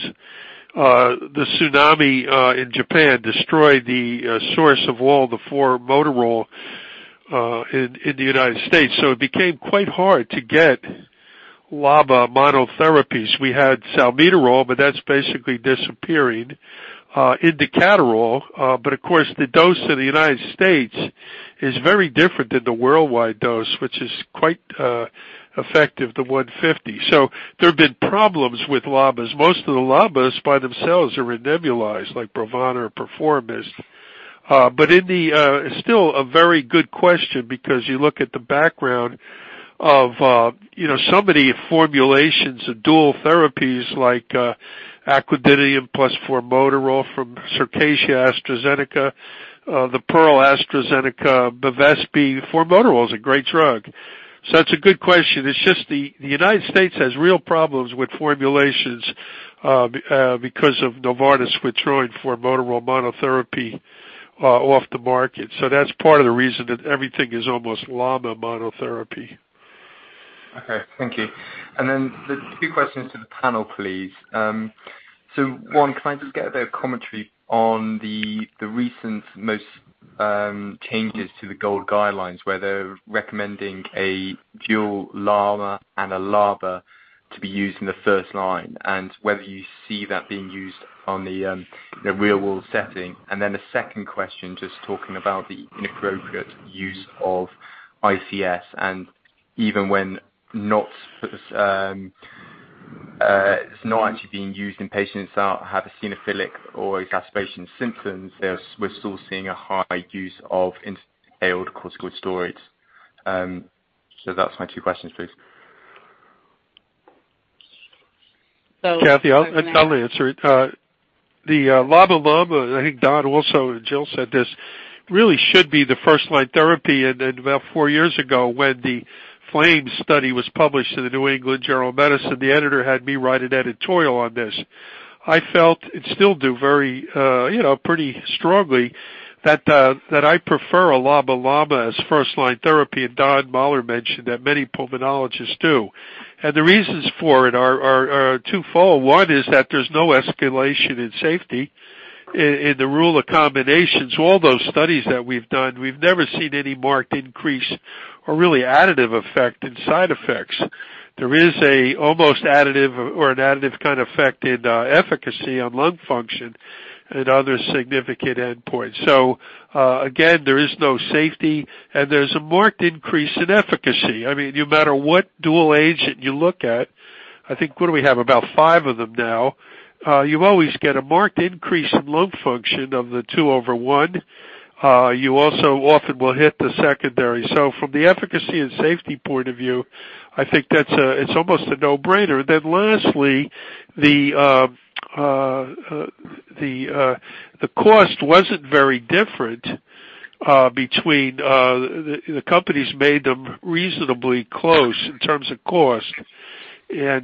the tsunami in Japan destroyed the source of all the formoterol in the U.S. It became quite hard to get LABA monotherapies. We had salmeterol, but that's basically disappearing. Indacaterol, but of course, the dose in the U.S. is very different than the worldwide dose, which is quite effective, the 150 mcg. There have been problems with LABAs. Most of the LABAs by themselves are in nebulized, like BROVANA or PERFOROMIST. It's still a very good question because you look at the background of so many formulations of dual therapies like aclidinium plus formoterol from Circassia, AstraZeneca, the Pearl, AstraZeneca, BEVESPI. Formoterol is a great drug. That's a good question. It's just the U.S. has real problems with formulations because of Novartis withdrawing formoterol monotherapy off the market. That's part of the reason that everything is almost LABA monotherapy. Thank you. There's two questions to the panel, please. One, can I just get a bit of commentary on the recent changes to the GOLD guidelines, where they're recommending a dual LAMA and a LABA to be used in the first line, and whether you see that being used on the real-world setting. A second question, just talking about the inappropriate use of ICS, even when it's not actually being used in patients that have eosinophilic or exacerbation symptoms, we're still seeing a high use of inhaled corticosteroids. That's my two questions, please. Kathy, I'll answer it. The LABA/LAMA, I think Don also, and Jill said this, really should be the first-line therapy. About four years ago, when the FLAME study was published in the "New England Journal of Medicine", the editor had me write an editorial on this. I felt, and still do pretty strongly, that I prefer a LABA/LAMA as first-line therapy. Don Mahler mentioned that many pulmonologists do. The reasons for it are twofold. One is that there's no escalation in safety in the rule of combinations. All those studies that we've done, we've never seen any marked increase or really additive effect in side effects. There is an almost additive or an additive kind of effect in efficacy on lung function and other significant endpoints. Again, there is no safety, and there's a marked increase in efficacy. No matter what dual agent you look at, I think, what do we have, about five of them now, you always get a marked increase in lung function of the two over one. You also often will hit the secondary. From the efficacy and safety point of view, I think it's almost a no-brainer. Lastly, the cost wasn't very different. The companies made them reasonably close in terms of cost. Again,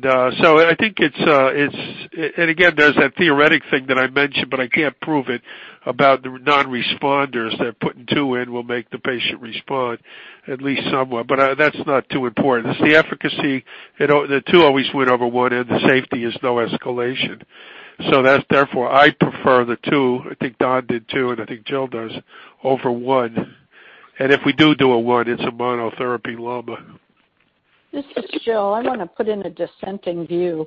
there's that theoretic thing that I mentioned, but I can't prove it, about the non-responders, that putting two in will make the patient respond at least somewhat, but that's not too important. It's the efficacy, the two always win over one, and the safety is no escalation. That's therefore, I prefer the two, I think Don did too, and I think Jill does, over one, and if we do a one, it's a monotherapy LABA. This is Jill. I want to put in a dissenting view.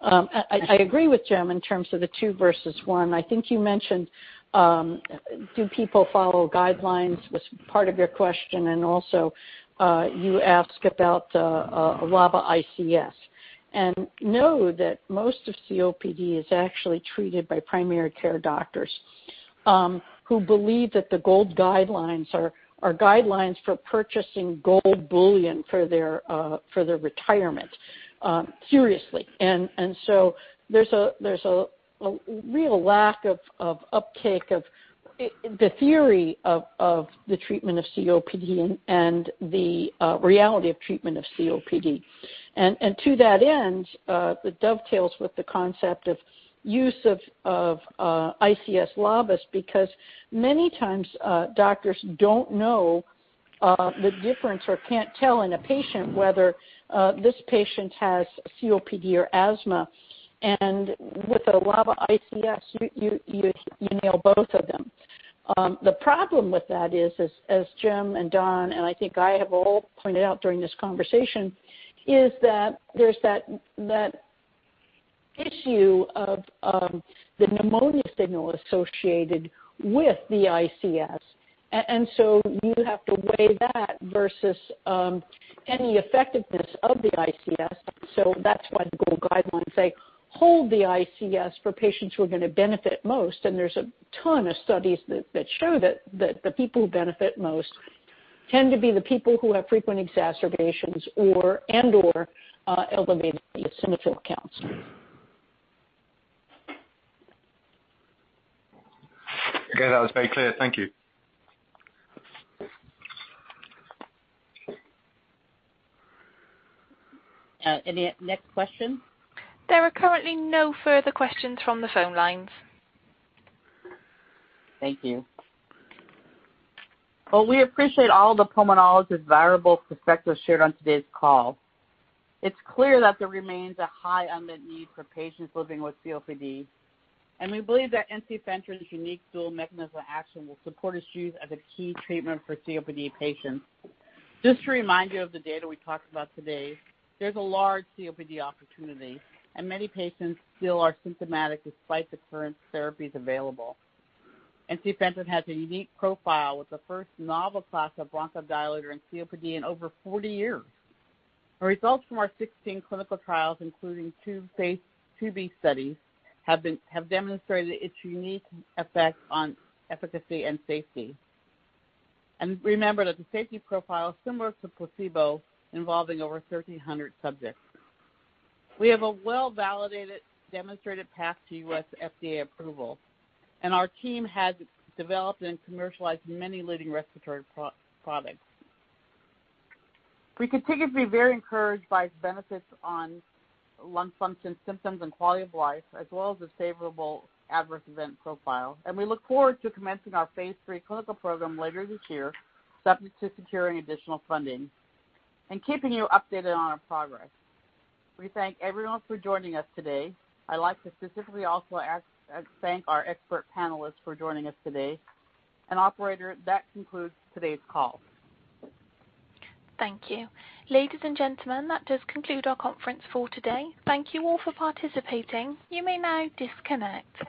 I agree with Jim in terms of the two versus one. I think you mentioned, do people follow guidelines was part of your question, and also you ask about a LABA-ICS. Know that most of COPD is actually treated by primary care doctors who believe that the GOLD guidelines are guidelines for purchasing gold bullion for their retirement. Seriously. There's a real lack of uptake of the theory of the treatment of COPD and the reality of treatment of COPD. To that end, it dovetails with the concept of use of ICS LABAs because many times doctors don't know the difference or can't tell in a patient whether this patient has COPD or asthma. With a LABA-ICS, you nail both of them. The problem with that is, as Jim and Don and I think I have all pointed out during this conversation, is that there's that issue of the pneumonia signal associated with the ICS. You have to weigh that versus any effectiveness of the ICS. That's why the GOLD guidelines say hold the ICS for patients who are going to benefit most, and there's a ton of studies that show that the people who benefit most tend to be the people who have frequent exacerbations and/or elevated eosinophil counts. Okay. That was very clear. Thank you. Any next question? There are currently no further questions from the phone lines. Thank you. Well, we appreciate all the pulmonologists' valuable perspectives shared on today's call. It's clear that there remains a high unmet need for patients living with COPD, and we believe that ensifentrine's unique dual mechanism of action will support its use as a key treatment for COPD patients. Just to remind you of the data we talked about today, there's a large COPD opportunity, and many patients still are symptomatic despite the current therapies available. Ensifentrine has a unique profile with the first novel class of bronchodilator in COPD in over 40 years. The results from our 16 clinical trials, including two phase IIb studies, have demonstrated its unique effect on efficacy and safety. Remember that the safety profile is similar to placebo, involving over 1,300 subjects. We have a well-validated, demonstrated path to U.S. FDA approval, and our team has developed and commercialized many leading respiratory products. We continue to be very encouraged by its benefits on lung function, symptoms, and quality of life, as well as the favorable adverse event profile. We look forward to commencing our phase III clinical program later this year, subject to securing additional funding, and keeping you updated on our progress. We thank everyone for joining us today. I'd like to specifically also thank our expert panelists for joining us today. Operator, that concludes today's call. Thank you. Ladies and gentlemen, that does conclude our conference for today. Thank you all for participating. You may now disconnect.